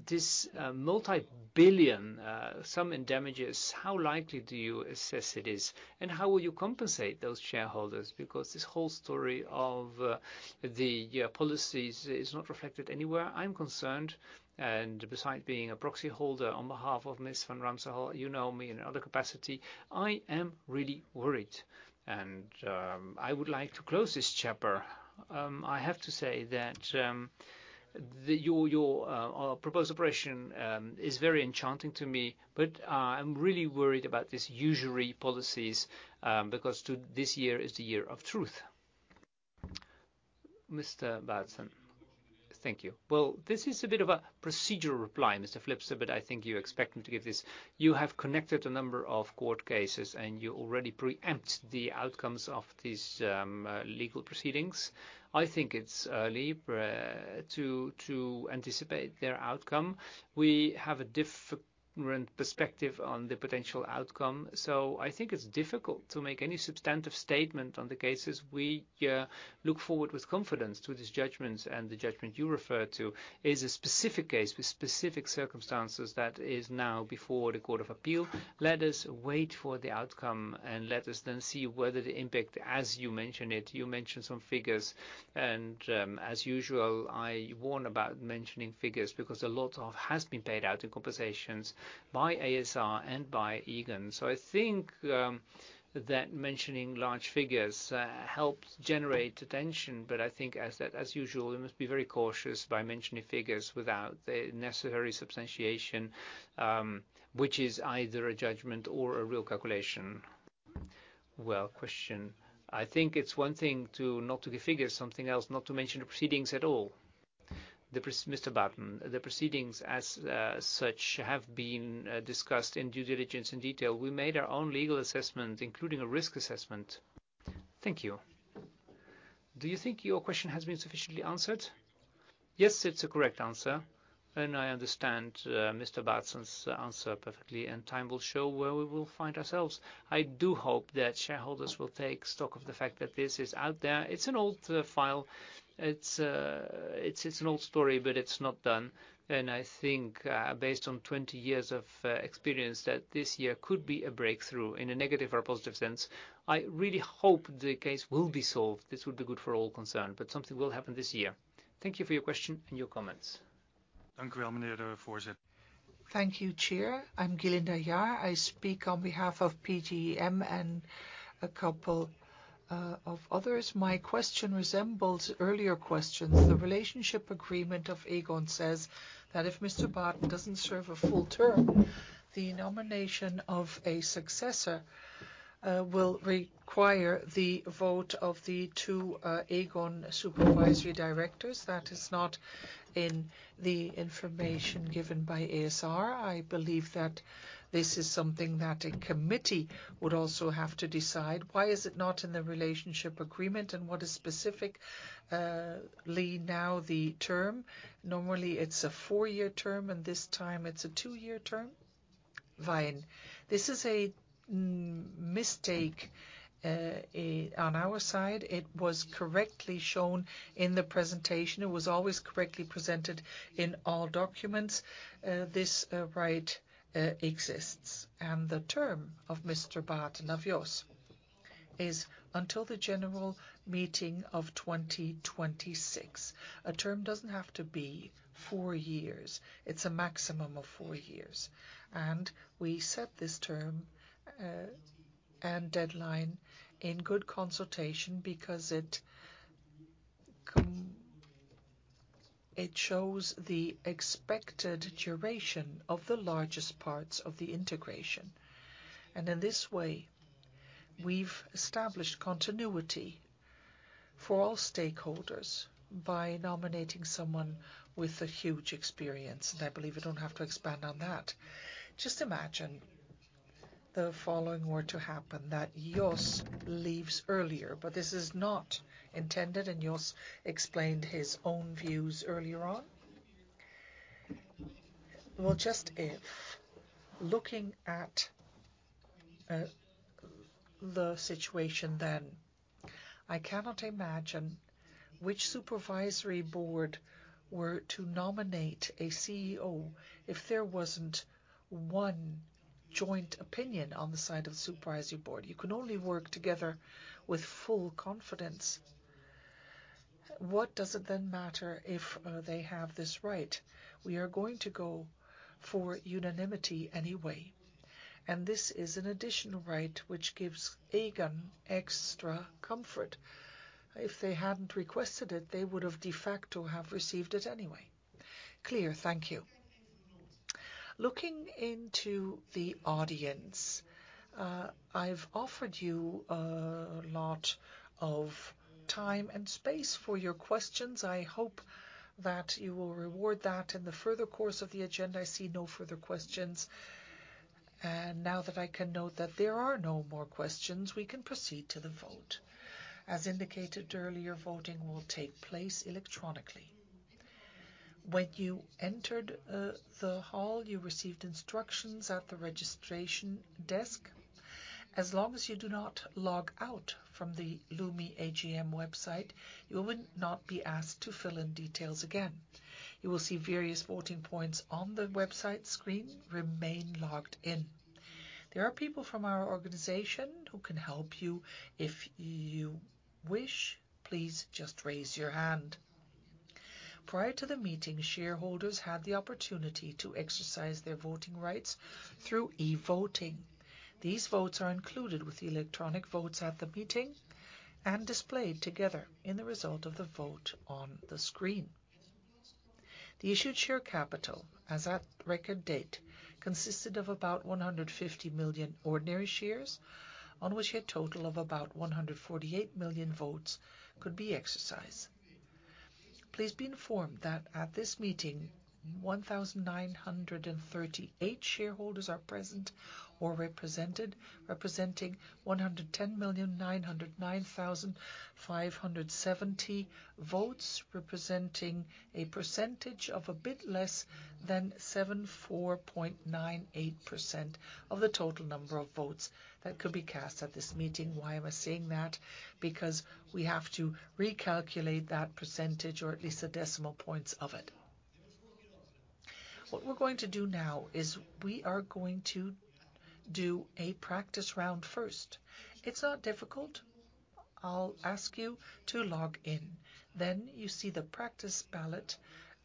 this multi-billion sum in damages, how likely do you assess it is? How will you compensate those shareholders? This whole story of the policies is not reflected anywhere. I'm concerned, and besides being a proxy holder on behalf of Ms. Van Lanschot, you know me in other capacity. I am really worried, and I would like to close this chapter. I have to say that your proposed operation is very enchanting to me, but I'm really worried about this usury policies, because this year is the year of truth. Mr. Baeten. Thank you. This is a bit of a procedural reply, Mr. Flipse, but I think you expect me to give this. You have connected a number of court cases, and you already preempt the outcomes of these legal proceedings. I think it's early to anticipate their outcome. We have a different perspective on the potential outcome. I think it's difficult to make any substantive statement on the cases. We look forward with confidence to these judgments. The judgment you refer to is a specific case with specific circumstances that is now before the Court of Appeal. Let us wait for the outcome, and let us then see whether the impact, as you mention it, you mentioned some figures. As usual, I warn about mentioning figures because a lot of has been paid out in compensations by ASR and by Aegon. I think that mentioning large figures helps generate attention. I think as usual, we must be very cautious by mentioning figures without the necessary substantiation, which is either a judgment or a real calculation. Question. I think it's one thing to not to give figures, something else not to mention the proceedings at all. Mr. Baeten, the proceedings as such have been discussed in due diligence and detail. We made our own legal assessment, including a risk assessment. Thank you. Do you think your question has been sufficiently answered? Yes, it's a correct answer, and I understand Mr. Baeten's answer perfectly, and time will show where we will find ourselves. I do hope that shareholders will take stock of the fact that this is out there. It's an old file. It's an old story, but it's not done. I think, based on 20 years of experience, that this year could be a breakthrough in a negative or positive sense. I really hope the case will be solved. This would be good for all concerned, but something will happen this year. Thank you for your question and your comments. Thank you, Chair. I'm Gerlinde van der Heide-Wijma. I speak on behalf of PGGM and a couple of others. My question resembles earlier questions. The relationship agreement of Aegon says that if Bart De Smet doesn't serve a full term, the nomination of a successor will require the vote of the two Aegon supervisory directors. That is not in the information given by ASR. I believe that this is something that a committee would also have to decide. Why is it not in the relationship agreement? What is specifically now the term? Normally, it's a four-year term, and this time it's a two-year term. This is a mistake on our side. It was correctly shown in the presentation. It was always correctly presented in all documents. This right exists. The term of Mr. Baeten and of Jos is until the general meeting of 2026. A term doesn't have to be four years. It's a maximum of four years. We set this term and deadline in good consultation because it shows the expected duration of the largest parts of the integration. In this way, we've established continuity for all stakeholders by nominating someone with a huge experience. I believe I don't have to expand on that. Just imagine the following were to happen, that Jos leaves earlier, but this is not intended, and Jos explained his own views earlier on. Just if looking at the situation then, I cannot imagine which Supervisory Board were to nominate a CEO if there wasn't one joint opinion on the side of the Supervisory Board. You can only work together with full confidence. What does it then matter if they have this right? We are going to go for unanimity anyway. This is an additional right which gives Aegon extra comfort. If they hadn't requested it, they would have de facto have received it anyway. Clear. Thank you. Looking into the audience, I've offered you a lot of time and space for your questions. I hope that you will reward that in the further course of the agenda. I see no further questions. Now that I can note that there are no more questions, we can proceed to the vote. As indicated earlier, voting will take place electronically. When you entered the hall, you received instructions at the registration desk. As long as you do not log out from the Lumi AGM website, you will not be asked to fill in details again. You will see various voting points on the website screen remain logged in. There are people from our organization who can help you. If you wish, please just raise your hand. Prior to the meeting, shareholders had the opportunity to exercise their voting rights through e-voting. These votes are included with the electronic votes at the meeting and displayed together in the result of the vote on the screen. The issued share capital, as at record date, consisted of about 150 million ordinary shares, on which a total of about 148 million votes could be exercised. Please be informed that at this meeting, 1,938 shareholders are present or represented, representing 110,909,570 votes, representing a percentage of a bit less than 74.98% of the total number of votes that could be cast at this meeting. Why am I saying that? We have to recalculate that percentage or at least the decimal points of it. What we're going to do now is we are going to do a practice round first. It's not difficult. I'll ask you to log in. You see the practice ballot,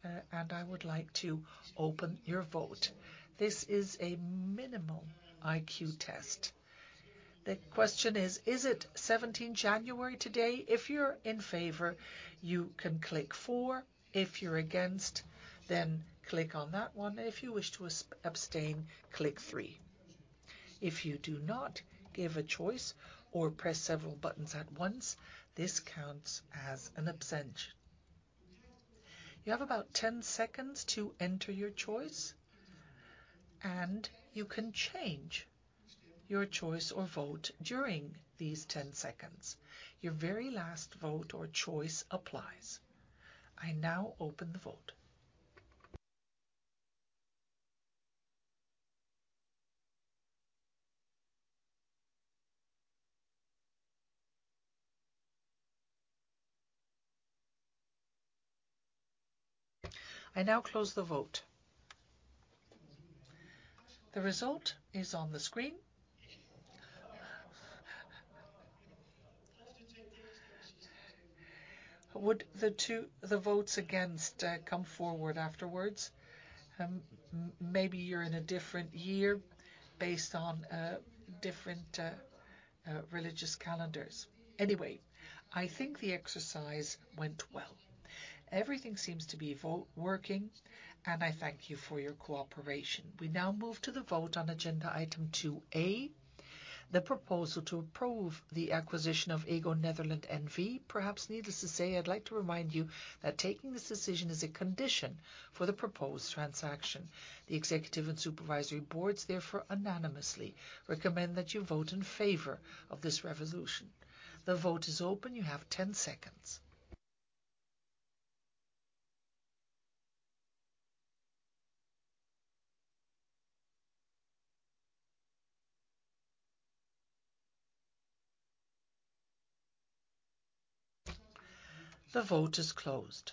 and I would like to open your vote. This is a minimal IQ test. The question is: Is it seventeenth January today? If you're in favor, you can click four. If you're against, click on that one. If you wish to abstain, click three. If you do not give a choice or press several buttons at once, this counts as an absent. You have about 10 seconds to enter your choice. You can change your choice or vote during these 10 seconds. Your very last vote or choice applies. I now open the vote. I now close the vote. The result is on the screen. Would the two, the votes against, come forward afterwards? Maybe you're in a different year based on different religious calendars. Anyway, I think the exercise went well. Everything seems to be vote working. I thank you for your cooperation. We now move to the vote on agenda item 2 A, the proposal to approve the acquisition of Aegon Nederland N.V. Perhaps needless to say, I'd like to remind you that taking this decision is a condition for the proposed transaction. The executive and supervisory boards therefore anonymously recommend that you vote in favor of this resolution. The vote is open. You have 10 seconds. The vote is closed.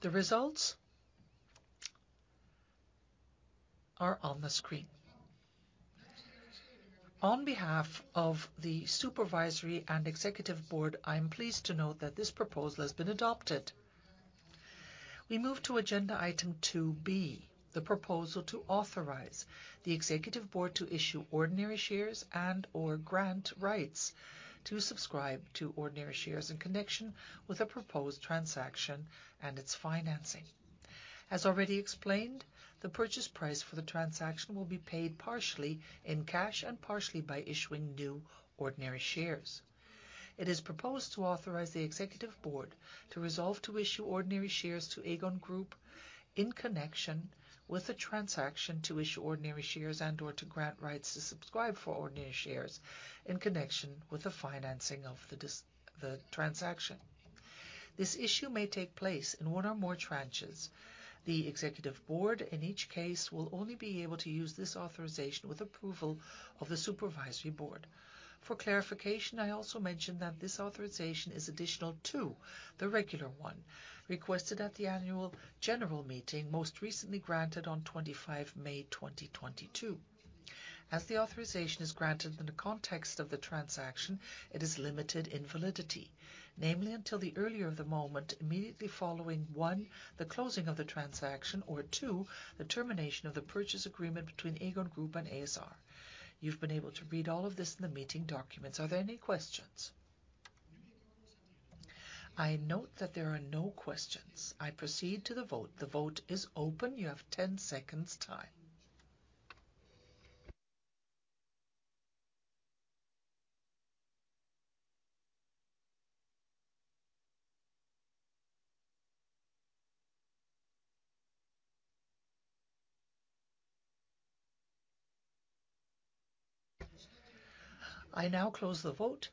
The results are on the screen. On behalf of the supervisory and executive board, I am pleased to note that this proposal has been adopted. We move to agenda item 2 B, the proposal to authorize the executive board to issue ordinary shares and/or grant rights to subscribe to ordinary shares in connection with a proposed transaction and its financing. As already explained, the purchase price for the transaction will be paid partially in cash and partially by issuing new ordinary shares. It is proposed to authorize the executive board to resolve to issue ordinary shares to Aegon Group in connection with the transaction to issue ordinary shares and/or to grant rights to subscribe for ordinary shares in connection with the financing of the transaction. This issue may take place in one or more tranches. The executive board in each case will only be able to use this authorization with approval of the supervisory board. For clarification, I also mentioned that this authorization is additional to the regular one requested at the annual general meeting most recently granted on May 25, 2022. As the authorization is granted in the context of the transaction, it is limited in validity. Namely, until the earlier of the moment, immediately following, one, the closing of the transaction, or two, the termination of the purchase agreement between Aegon Group and ASR. You've been able to read all of this in the meeting documents. Are there any questions? I note that there are no questions. I proceed to the vote. The vote is open. You have 10 seconds time. I now close the vote.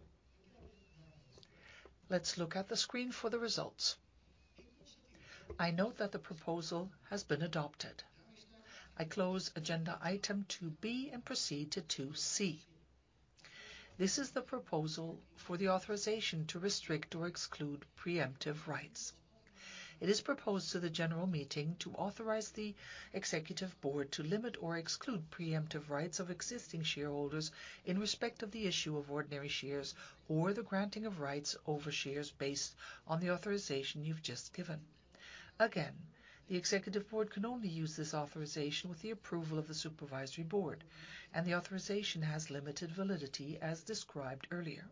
Let's look at the screen for the results. I note that the proposal has been adopted. I close agenda item 2 B and proceed to 2 C. This is the proposal for the authorization to restrict or exclude preemptive rights. It is proposed to the general meeting to authorize the Executive Board to limit or exclude preemptive rights of existing shareholders in respect of the issue of ordinary shares or the granting of rights over shares based on the authorization you've just given. The Executive Board can only use this authorization with the approval of the Supervisory Board, and the authorization has limited validity as described earlier.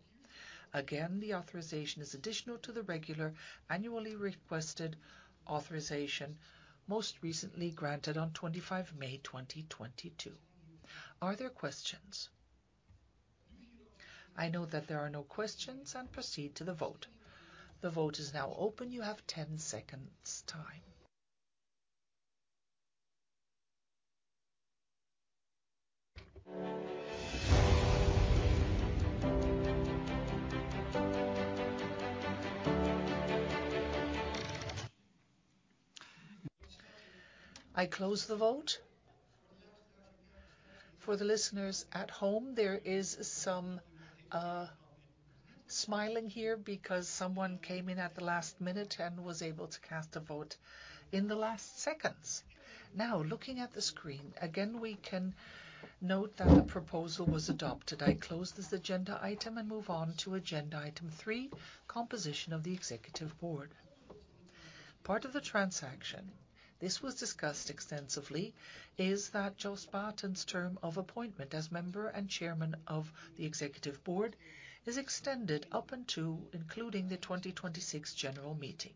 Again, the authorization is additional to the regular annually requested authorization most recently granted on May 25, 2022. Are there questions? I note that there are no questions and proceed to the vote. The vote is now open. You have 10 seconds time. I close the vote. For the listeners at home, there is some smiling here because someone came in at the last minute and was able to cast a vote in the last seconds. Now, looking at the screen, again, we can note that the proposal was adopted. I close this agenda item and move on to agenda item three, composition of the Executive Board. Part of the transaction, this was discussed extensively, is that Jos Baeten's term of appointment as member and Chairman of the Executive Board is extended up until including the 2026 general meeting,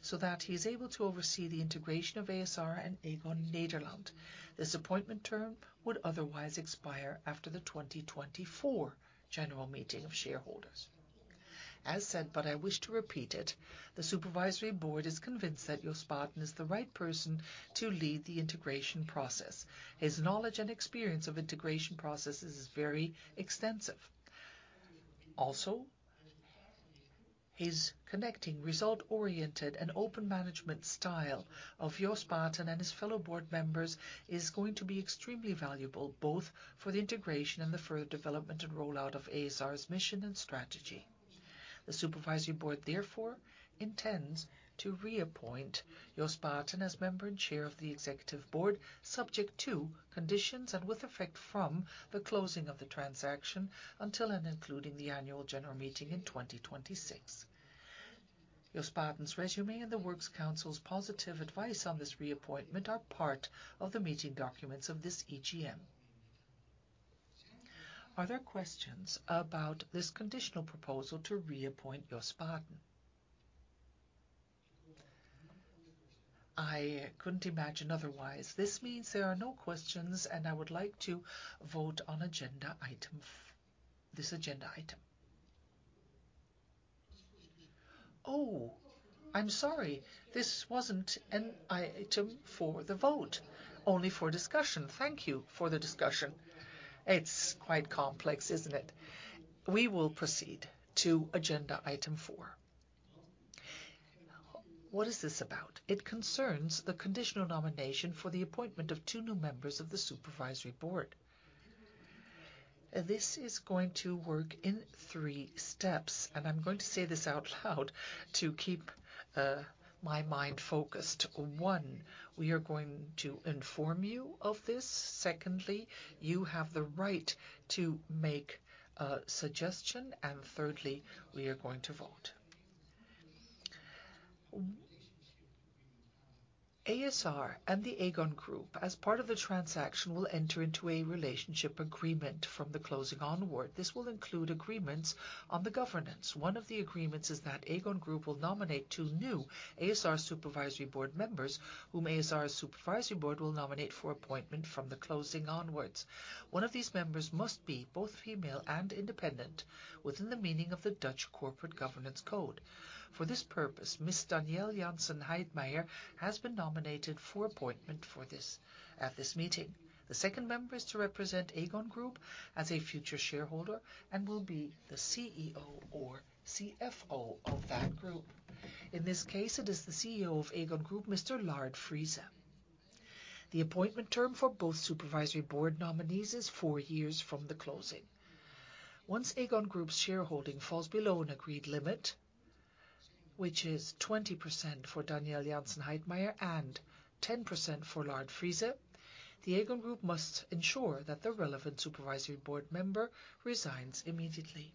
so that he is able to oversee the integration of ASR and Aegon Nederland. This appointment term would otherwise expire after the 2024 general meeting of shareholders. As said, but I wish to repeat it, the Supervisory Board is convinced that Jos Baeten is the right person to lead the integration process. His knowledge and experience of integration processes is very extensive. Also, his connecting, result-oriented, and open management style of Jos Baeten and his fellow board members is going to be extremely valuable, both for the integration and the further development and rollout of ASR's mission and strategy. The supervisory board therefore intends to reappoint Jos Baeten as member and Chair of the Executive Board, subject to conditions and with effect from the closing of the transaction until and including the annual general meeting in 2026. Jos Baeten's resume and the works council's positive advice on this reappointment are part of the meeting documents of this EGM. Are there questions about this conditional proposal to reappoint Jos Baeten? I couldn't imagine otherwise. This means there are no questions, and I would like to vote on this agenda item. Oh, I'm sorry. This wasn't an item for the vote, only for discussion. Thank you for the discussion. It's quite complex, isn't it? We will proceed to agenda item four. What is this about? It concerns the conditional nomination for the appointment of two new members of the supervisory board. This is going to work in three steps, and I'm going to say this out loud to keep my mind focused. One, we are going to inform you of this. Secondly, you have the right to make a suggestion. Thirdly, we are going to vote. ASR and the Aegon Group, as part of the transaction, will enter into a relationship agreement from the closing onward. This will include agreements on the governance. One of the agreements is that Aegon Group will nominate two new ASR supervisory board members, whom ASR's supervisory board will nominate for appointment from the closing onwards. One of these members must be both female and independent within the meaning of the Dutch Corporate Governance Code. For this purpose, Daniëlle Jansen Heijtmájerr has been nominated for appointment for this at this meeting. The second member is to represent Aegon Group as a future shareholder and will be the CEO or CFO of that group. In this case, it is the CEO of Aegon Group, Mr. Lard Friese. The appointment term for both supervisory board nominees is four years from the closing. Once Aegon Group's shareholding falls below an agreed limit, which is 20% for Daniëlle Jansen Heijtmájer and 10% for Lard Friese, the Aegon Group must ensure that the relevant supervisory board member resigns immediately.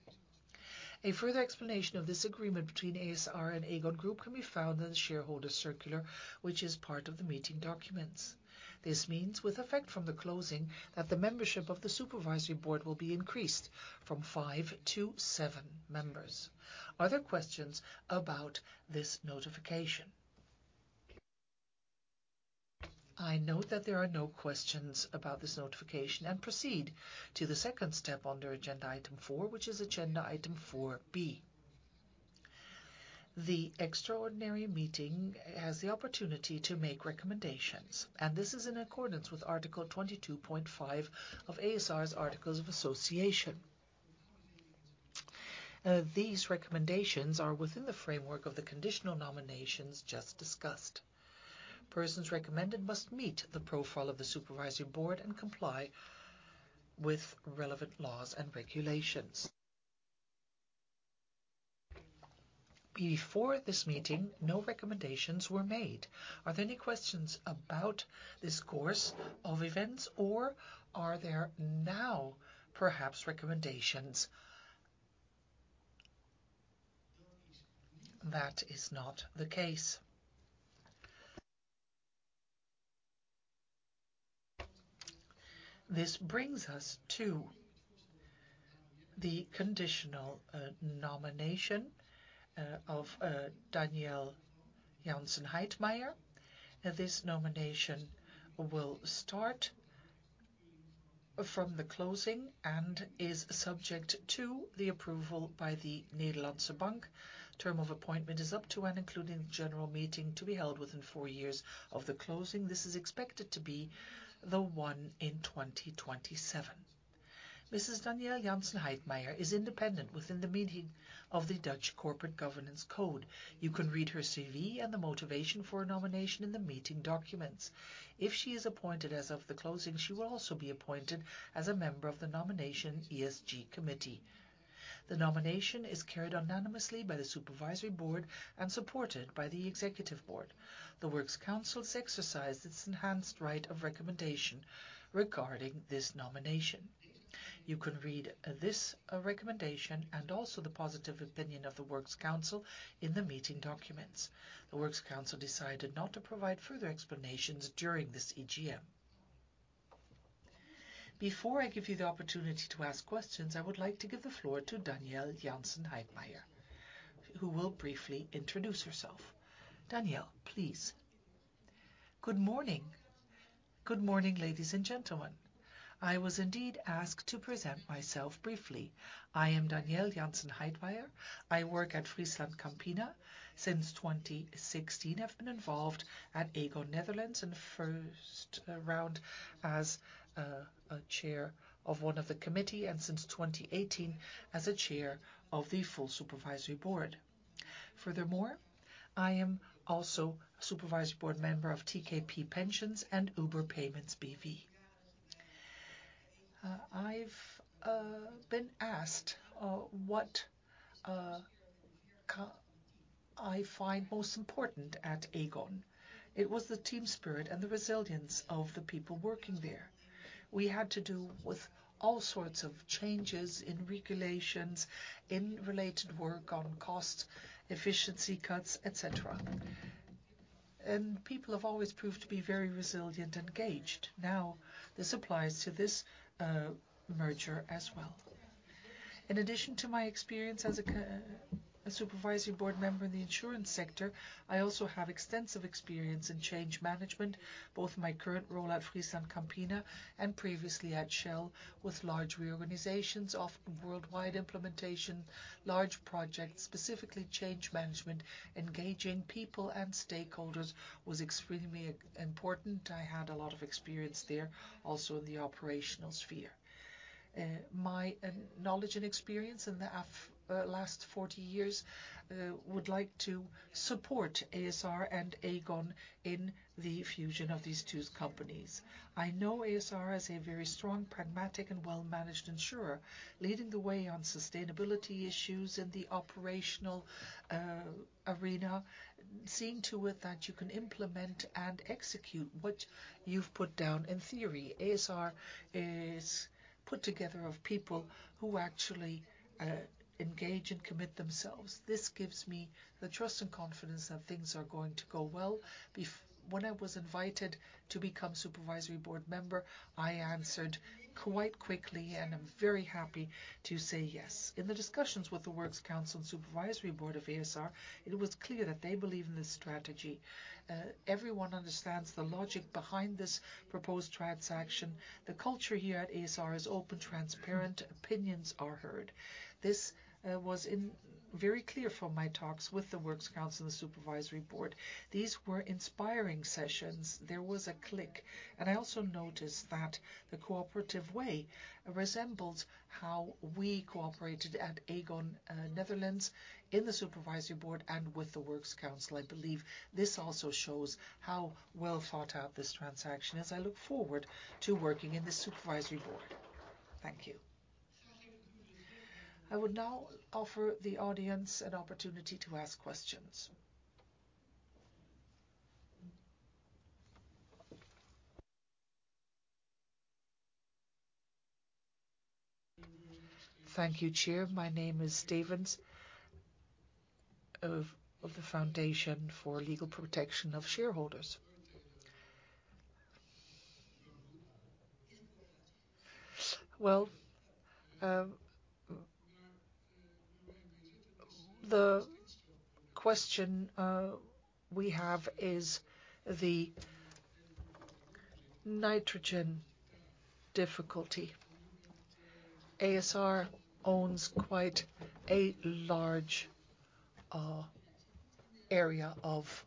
A further explanation of this agreement between ASR and Aegon Group can be found in the shareholder circular, which is part of the meeting documents. This means, with effect from the closing, that the membership of the supervisory board will be increased from five to seven members. Are there questions about this notification? I note that there are no questions about this notification and proceed to the second step under agenda item four, which is agenda item 4 B. The extraordinary meeting has the opportunity to make recommendations, and this is in accordance with Article 22.5 of ASR's Articles of Association. These recommendations are within the framework of the conditional nominations just discussed. Persons recommended must meet the profile of the supervisory board and comply with relevant laws and regulations. Before this meeting, no recommendations were made. Are there any questions about this course of events, or are there now perhaps recommendations? That is not the case. This brings us to the conditional nomination of Daniëlle Jansen Heijtmajer. This nomination will start from the closing and is subject to the approval by the Nederlandse Bank. Term of appointment is up to and including the general meeting to be held within four years of the closing. This is expected to be the one in 2027. Mrs. Daniëlle Jansen Heijtmajer is independent within the meaning of the Dutch Corporate Governance Code. You can read her CV and the motivation for nomination in the meeting documents. If she is appointed as of the closing, she will also be appointed as a member of the Nomination ESG Committee. The nomination is carried unanimously by the supervisory board and supported by the executive board. The works council's exercised its enhanced right of recommendation regarding this nomination. You can read this recommendation and also the positive opinion of the works council in the meeting documents. The works council decided not to provide further explanations during this EGM. Before I give you the opportunity to ask questions, I would like to give the floor to Daniëlle Jansen Heijtmájer, who will briefly introduce herself. Danielle, please. Good morning. Good morning, ladies and gentlemen. I was indeed asked to present myself briefly. I am Daniëlle Jansen Heijtmájer. I work at FrieslandCampina. Since 2016, I've been involved at Aegon Nederland, and first around as a chair of one of the committee and since 2018 as a Chair of the Full Supervisory Board. Furthermore, I am also a supervisory board member of TKP Pensioen and Uber Payments B.V. I've been asked what I find most important at Aegon. It was the team spirit and the resilience of the people working there. We had to do with all sorts of changes in regulations, in related work on cost, efficiency cuts, et cetera. People have always proved to be very resilient, engaged. Now, this applies to this merger as well. In addition to my experience as a supervisory board member in the insurance sector, I also have extensive experience in change management, both my current role at FrieslandCampina and previously at Shell with large reorganizations, often worldwide implementation, large projects. Specifically change management, engaging people and stakeholders was extremely important. I had a lot of experience there, also in the operational sphere. My knowledge and experience in the last 40 years would like to support ASR and Aegon in the fusion of these two companies. I know ASR as a very strong, pragmatic and well-managed insurer, leading the way on sustainability issues in the operational arena. Seeing to it that you can implement and execute what you've put down in theory. ASR is put together of people who actually engage and commit themselves. This gives me the trust and confidence that things are going to go well. When I was invited to become supervisory board member, I answered quite quickly, and I'm very happy to say yes. In the discussions with the works council and supervisory board of ASR, it was clear that they believe in this strategy. Everyone understands the logic behind this proposed transaction. The culture here at ASR is open, transparent, opinions are heard. This was very clear from my talks with the works council and the supervisory board. These were inspiring sessions. There was a click. I also noticed that the cooperative way resembled how we cooperated at Aegon Nederland in the supervisory board and with the works council. I believe this also shows how well thought out this transaction is. I look forward to working in the supervisory board. Thank you. I would now offer the audience an opportunity to ask questions. Thank you, Chair. My name is Stevens of the Foundation for Legal Protection of Shareholders. Well, the question we have is the nitrogen difficulty. ASR owns quite a large area of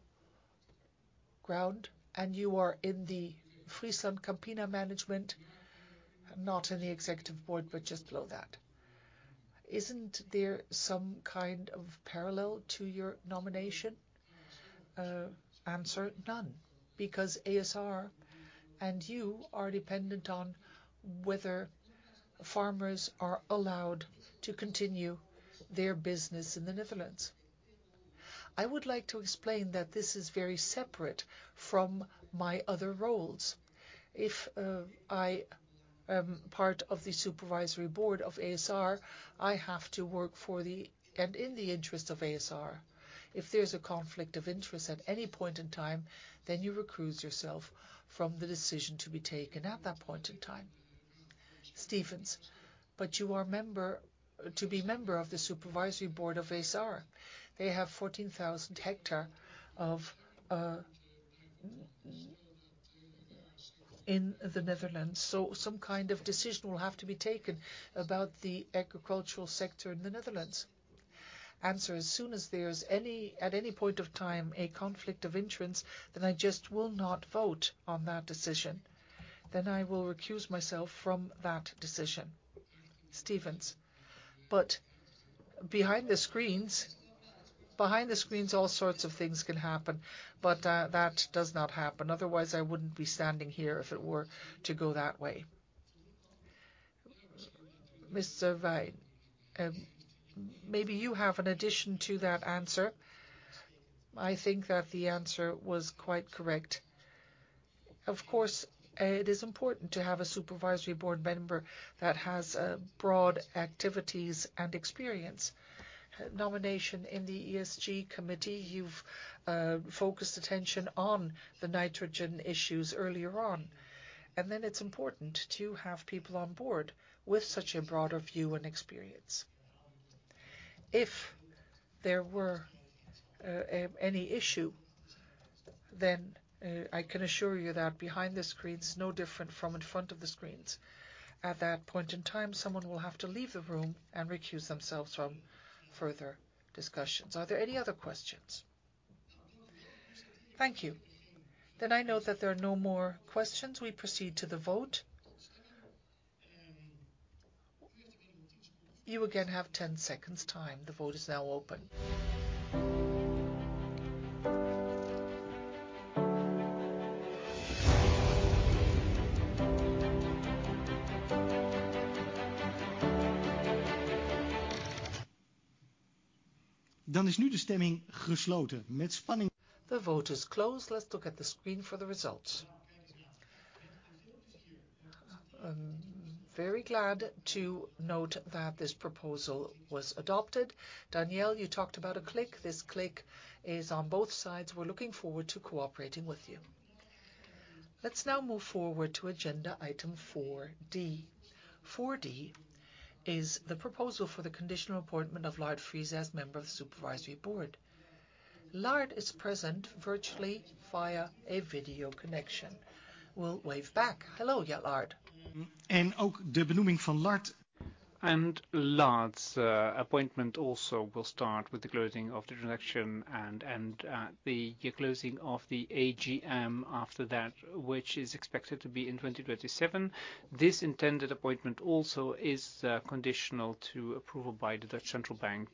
ground, and you are in the FrieslandCampina management, not in the executive board, but just below that. Isn't there some kind of parallel to your nomination? Answer: none. ASR and you are dependent on whether farmers are allowed to continue their business in the Netherlands. I would like to explain that this is very separate from my other roles. If I am part of the supervisory board of ASR, I have to work for the, and in the interest of ASR. If there's a conflict of interest at any point in time, then you recuse yourself from the decision to be taken at that point in time. Stevens: You are member, to be member of the supervisory board of ASR. They have 14,000 ha of in the Netherlands, some kind of decision will have to be taken about the agricultural sector in the Netherlands. Soon as there's any, at any point of time, a conflict of interest, I just will not vote on that decision. I will recuse myself from that decision. Stevens: Behind the screens, behind the screens, all sorts of things can happen. That does not happen. Otherwise, I wouldn't be standing here if it were to go that way. Mr. Wijn, maybe you have an addition to that answer. I think that the answer was quite correct. Of course, it is important to have a supervisory board member that has broad activities and experience. Nomination in the ESG committee, you've focused attention on the nitrogen issues earlier on. It's important to have people on board with such a broader view and experience. If there were any issue, I can assure you that behind the screens, no different from in front of the screens. At that point in time, someone will have to leave the room and recuse themselves from further discussions. Are there any other questions? Thank you. I note that there are no more questions. We proceed to the vote. You again have 10 seconds time. The vote is now open. The vote is closed. Let's look at the screen for the results. Very glad to note that this proposal was adopted. Danielle, you talked about a click. This click is on both sides. We're looking forward to cooperating with you. Let's now move forward to agenda item 4D. 4D is the proposal for the conditional appointment of Lard Friese as member of the supervisory board. Lard is present virtually via a video connection. We'll wave back. Hello, Lard. Lard's appointment also will start with the closing of the transaction, the closing of the AGM after that, which is expected to be in 2027. This intended appointment also is conditional to approval by the Central Bank.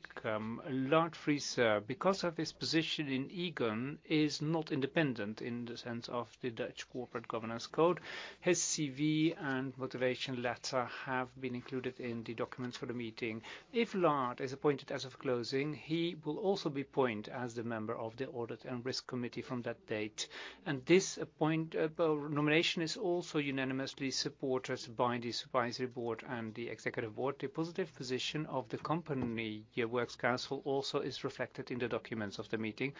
Lard Friese, because of his position in Aegon, is not independent in the sense of the Dutch Corporate Governance Code. His CV and motivation letter have been included in the documents for the meeting. If Lard is appointed as of closing, he will also be appointed as the member of the Audit and Risk Committee from that date, and this nomination is also unanimously supported by the Supervisory Board and the Executive Board. The positive position of the company Works Council also is reflected in the documents of the meeting.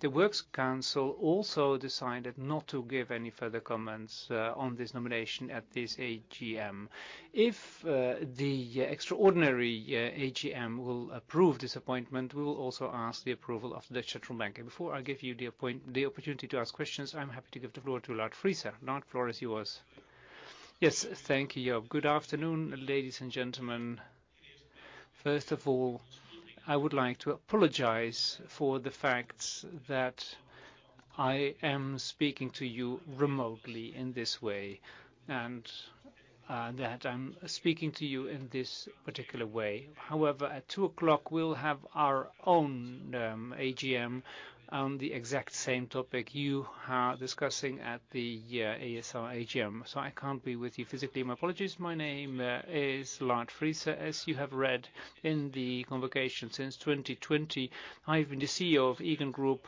The Works Council also decided not to give any further comments on this nomination at this AGM. If the extraordinary AGM will approve this appointment, we will also ask the approval of the Central Bank. Before I give you the opportunity to ask questions, I'm happy to give the floor to Lard Friese. Lard, floor is yours. Yes. Thank you. Good afternoon, ladies and gentlemen. First of all, I would like to apologize for the fact that I am speaking to you remotely in this way and that I'm speaking to you in this particular way. However, at 2:00 we'll have our own AGM on the exact same topic you are discussing at the ASR AGM, I can't be with you physically. My apologies. My name is Lard Friese. As you have read in the convocation, since 2020, I've been the CEO of Aegon Group,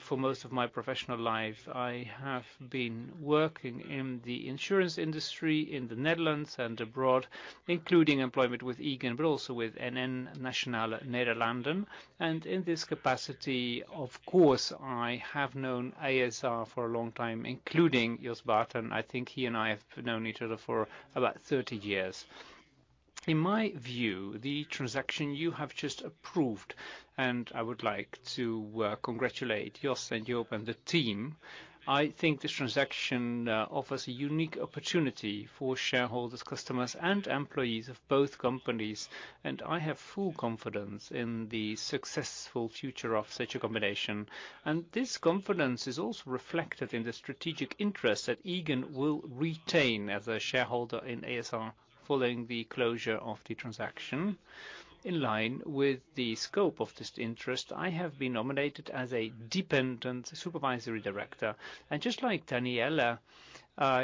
for most of my professional life, I have been working in the insurance industry in the Netherlands and abroad, including employment with Aegon, but also with NN Nationale-Nederlanden. In this capacity, of course, I have known ASR for a long time, including Jos Baeten. I think he and I have known each other for about 30 years. In my view, the transaction you have just approved, and I would like to congratulate Jos and Joop and the team. I think this transaction offers a unique opportunity for shareholders, customers, and employees of both companies, and I have full confidence in the successful future of such a combination. This confidence is also reflected in the strategic interest that Aegon will retain as a shareholder in ASR following the closure of the transaction. In line with the scope of this interest, I have been nominated as a dependent supervisory director. Just like Daniëlle,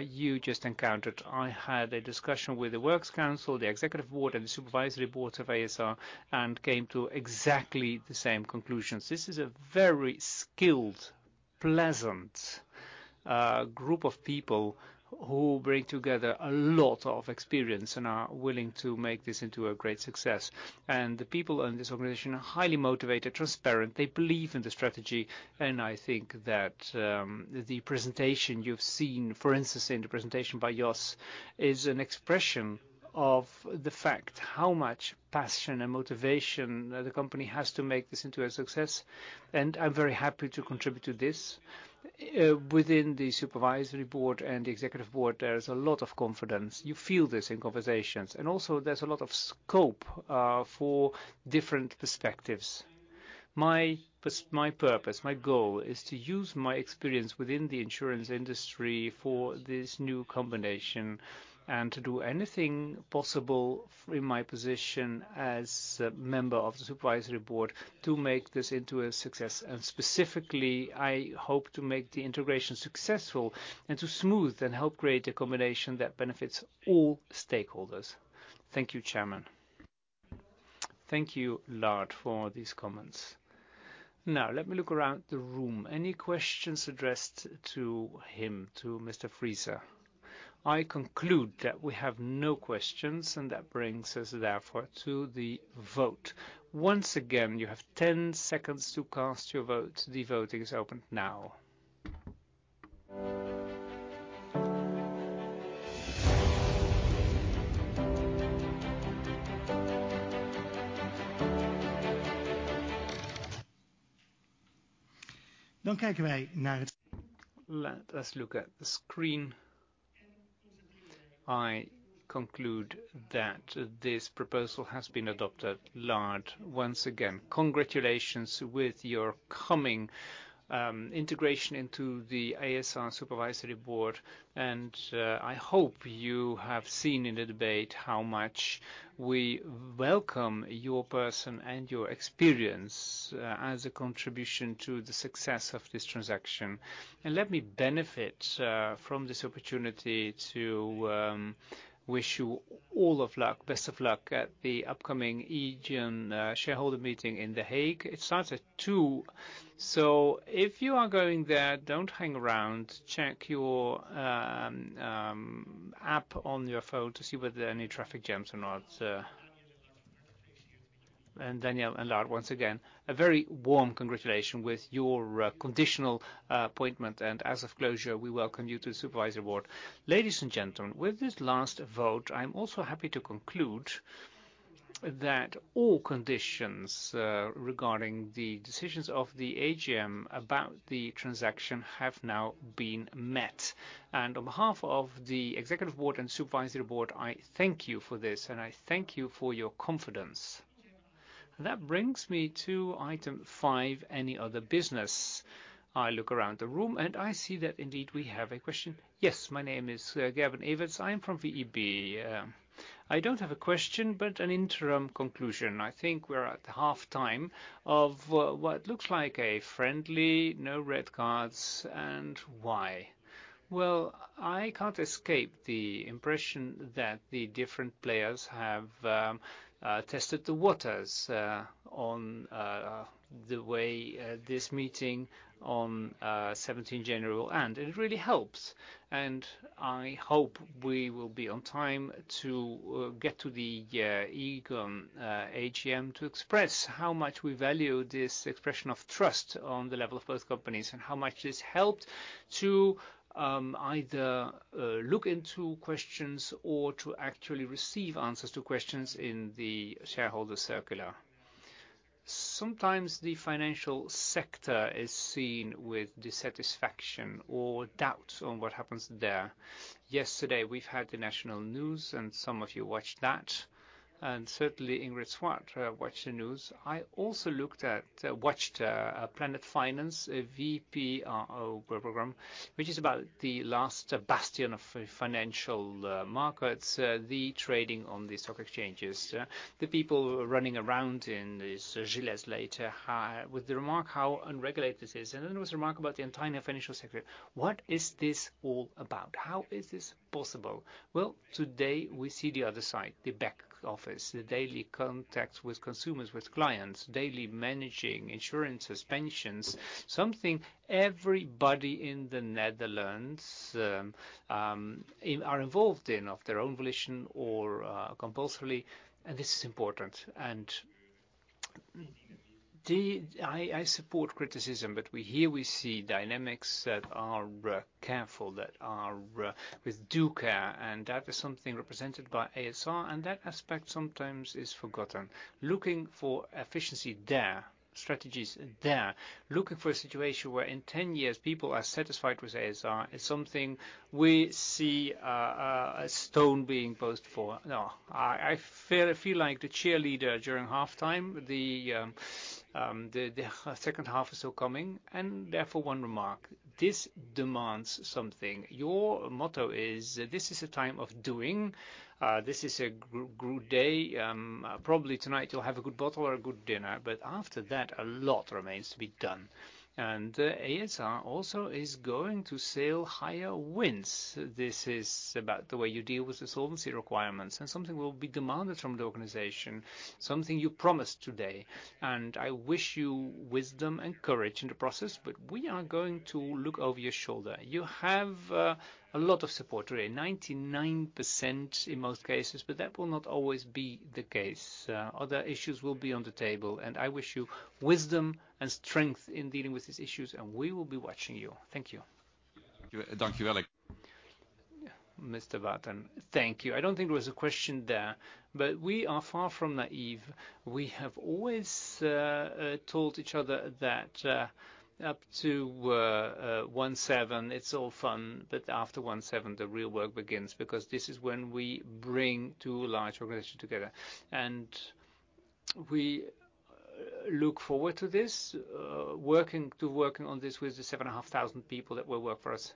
you just encountered, I had a discussion with the Works Council, the Executive Board, and the Supervisory Board of ASR and came to exactly the same conclusions. This is a very skilled, pleasant, group of people who bring together a lot of experience and are willing to make this into a great success. The people in this organization are highly motivated, transparent. They believe in the strategy. I think that, the presentation you've seen, for instance, in the presentation by Jos, is an expression of the fact how much passion and motivation the company has to make this into a success. I'm very happy to contribute to this. Within the Supervisory Board and the Executive Board, there is a lot of confidence. You feel this in conversations. There's a lot of scope for different perspectives. My purpose, my goal is to use my experience within the insurance industry for this new combination and to do anything possible in my position as a member of the Supervisory Board to make this into a success. Specifically, I hope to make the integration successful and to smooth and help create a combination that benefits all stakeholders. Thank you, Chairman. Thank you, Lard, for these comments. Let me look around the room. Any questions addressed to him, to Mr. Friese? I conclude that we have no questions. That brings us therefore to the vote. Once again, you have 10 seconds to cast your vote. The voting is open now. Let us look at the screen. I conclude that this proposal has been adopted. Lard, once again, congratulations with your coming integration into the ASR Supervisory Board. I hope you have seen in the debate how much we welcome your person and your experience as a contribution to the success of this transaction. Let me benefit from this opportunity to wish you all of luck, best of luck at the upcoming Aegon shareholder meeting in The Hague. It starts at two, so if you are going there, don't hang around. Check your app on your phone to see whether any traffic jams or not. Danielle and Lard, once again, a very warm congratulations with your conditional appointment. As of closure, we welcome you to the Supervisory Board. Ladies and gentlemen, with this last vote, I'm also happy to conclude that all conditions regarding the decisions of the AGM about the transaction have now been met. On behalf of the Executive Board and Supervisory Board, I thank you for this, and I thank you for your confidence. That brings me to item five, any other business. I look around the room, and I see that indeed we have a question. Yes. My name is Gerben Everts. I am from VEB. I don't have a question, but an interim conclusion. I think we're at half time of what looks like a friendly, no red cards. Why? I can't escape the impression that the different players have tested the waters on the way this meeting on 17th January will end. It really helps, and I hope we will be on time to get to the Aegon AGM to express how much we value this expression of trust on the level of both companies and how much it's helped to either look into questions or to actually receive answers to questions in the shareholder circular. Sometimes the financial sector is seen with dissatisfaction or doubts on what happens there. Yesterday, we've had the national news, and some of you watched that, and certainly Ingrid de Swart watched the news. I also watched Planet Finance, a VPRO program, which is about the last bastion of financial markets, the trading on the stock exchanges. The people running around in these gilets later, with the remark how unregulated this is, and then there was a remark about the entire financial sector. What is this all about? How is this possible? Well, today we see the other side, the back office, the daily contacts with consumers, with clients, daily managing insurances, pensions, something everybody in the Netherlands are involved in of their own volition or compulsorily, and this is important. I support criticism, here we see dynamics that are careful, that are with due care, and that is something represented by ASR, and that aspect sometimes is forgotten. Looking for efficiency there, strategies there, looking for a situation where in 10 years people are satisfied with ASR is something we see a stone being posed for. I feel like the cheerleader during halftime. The second half is still coming therefore one remark. This demands something. Your motto is, "This is a time of doing." This is a good day. Probably tonight you'll have a good bottle or a good dinner, but after that, a lot remains to be done. ASR also is going to sail higher winds. This is about the way you deal with the solvency requirements and something will be demanded from the organization, something you promised today, and I wish you wisdom and courage in the process. We are going to look over your shoulder. You have a lot of support today, 99% in most cases, but that will not always be the case. Other issues will be on the table, and I wish you wisdom and strength in dealing with these issues, and we will be watching you. Thank you. Mr. Baeten, thank you. I don't think there was a question there. We are far from naive. We have always told each other that up to one-seven it's all fun. After one-seven the real work begins because this is when we bring two large organizations together. We look forward to working on this with the 7,500 people that will work for us,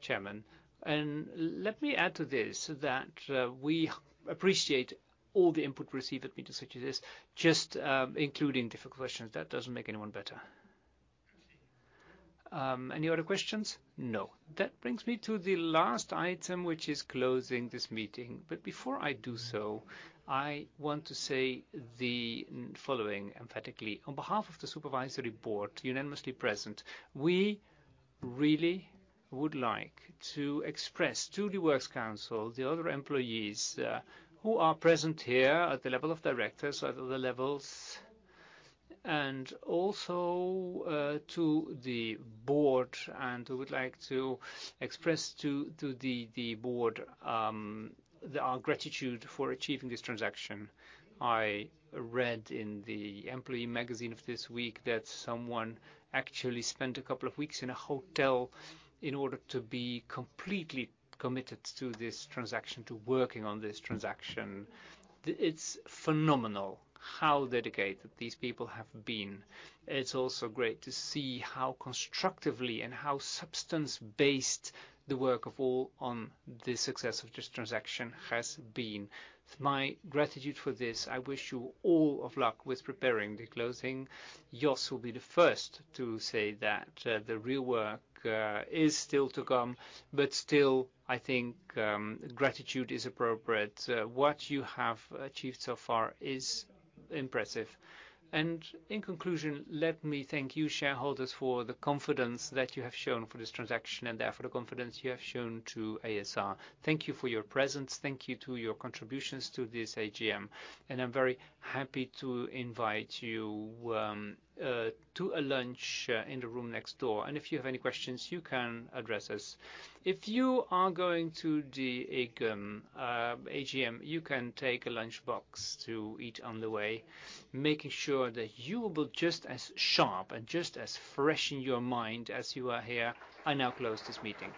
Chairman. Let me add to this that we appreciate all the input received at meetings such as this, just including difficult questions. That doesn't make anyone better. Any other questions? No. That brings me to the last item, which is closing this meeting. Before I do so, I want to say the following emphatically. On behalf of the Supervisory Board unanimously present, we really would like to express to the Works Council, the other employees, who are present here at the level of directors, at other levels, and also to the board, and we would like to express to the board our gratitude for achieving this transaction. I read in the employee magazine of this week that someone actually spent a couple of weeks in a hotel in order to be completely committed to this transaction, to working on this transaction. It's phenomenal how dedicated these people have been. It's also great to see how constructively and how substance-based the work of all on the success of this transaction has been. My gratitude for this. I wish you all of luck with preparing the closing. Jos will be the first to say that the real work is still to come. Still, I think gratitude is appropriate. What you have achieved so far is impressive. In conclusion, let me thank you shareholders for the confidence that you have shown for this transaction and therefore the confidence you have shown to ASR. Thank you for your presence. Thank you to your contributions to this AGM. I'm very happy to invite you to a lunch in the room next door. If you have any questions, you can address us. If you are going to the Aegon AGM, you can take a lunchbox to eat on the way, making sure that you will look just as sharp and just as fresh in your mind as you are here. I now close this meeting.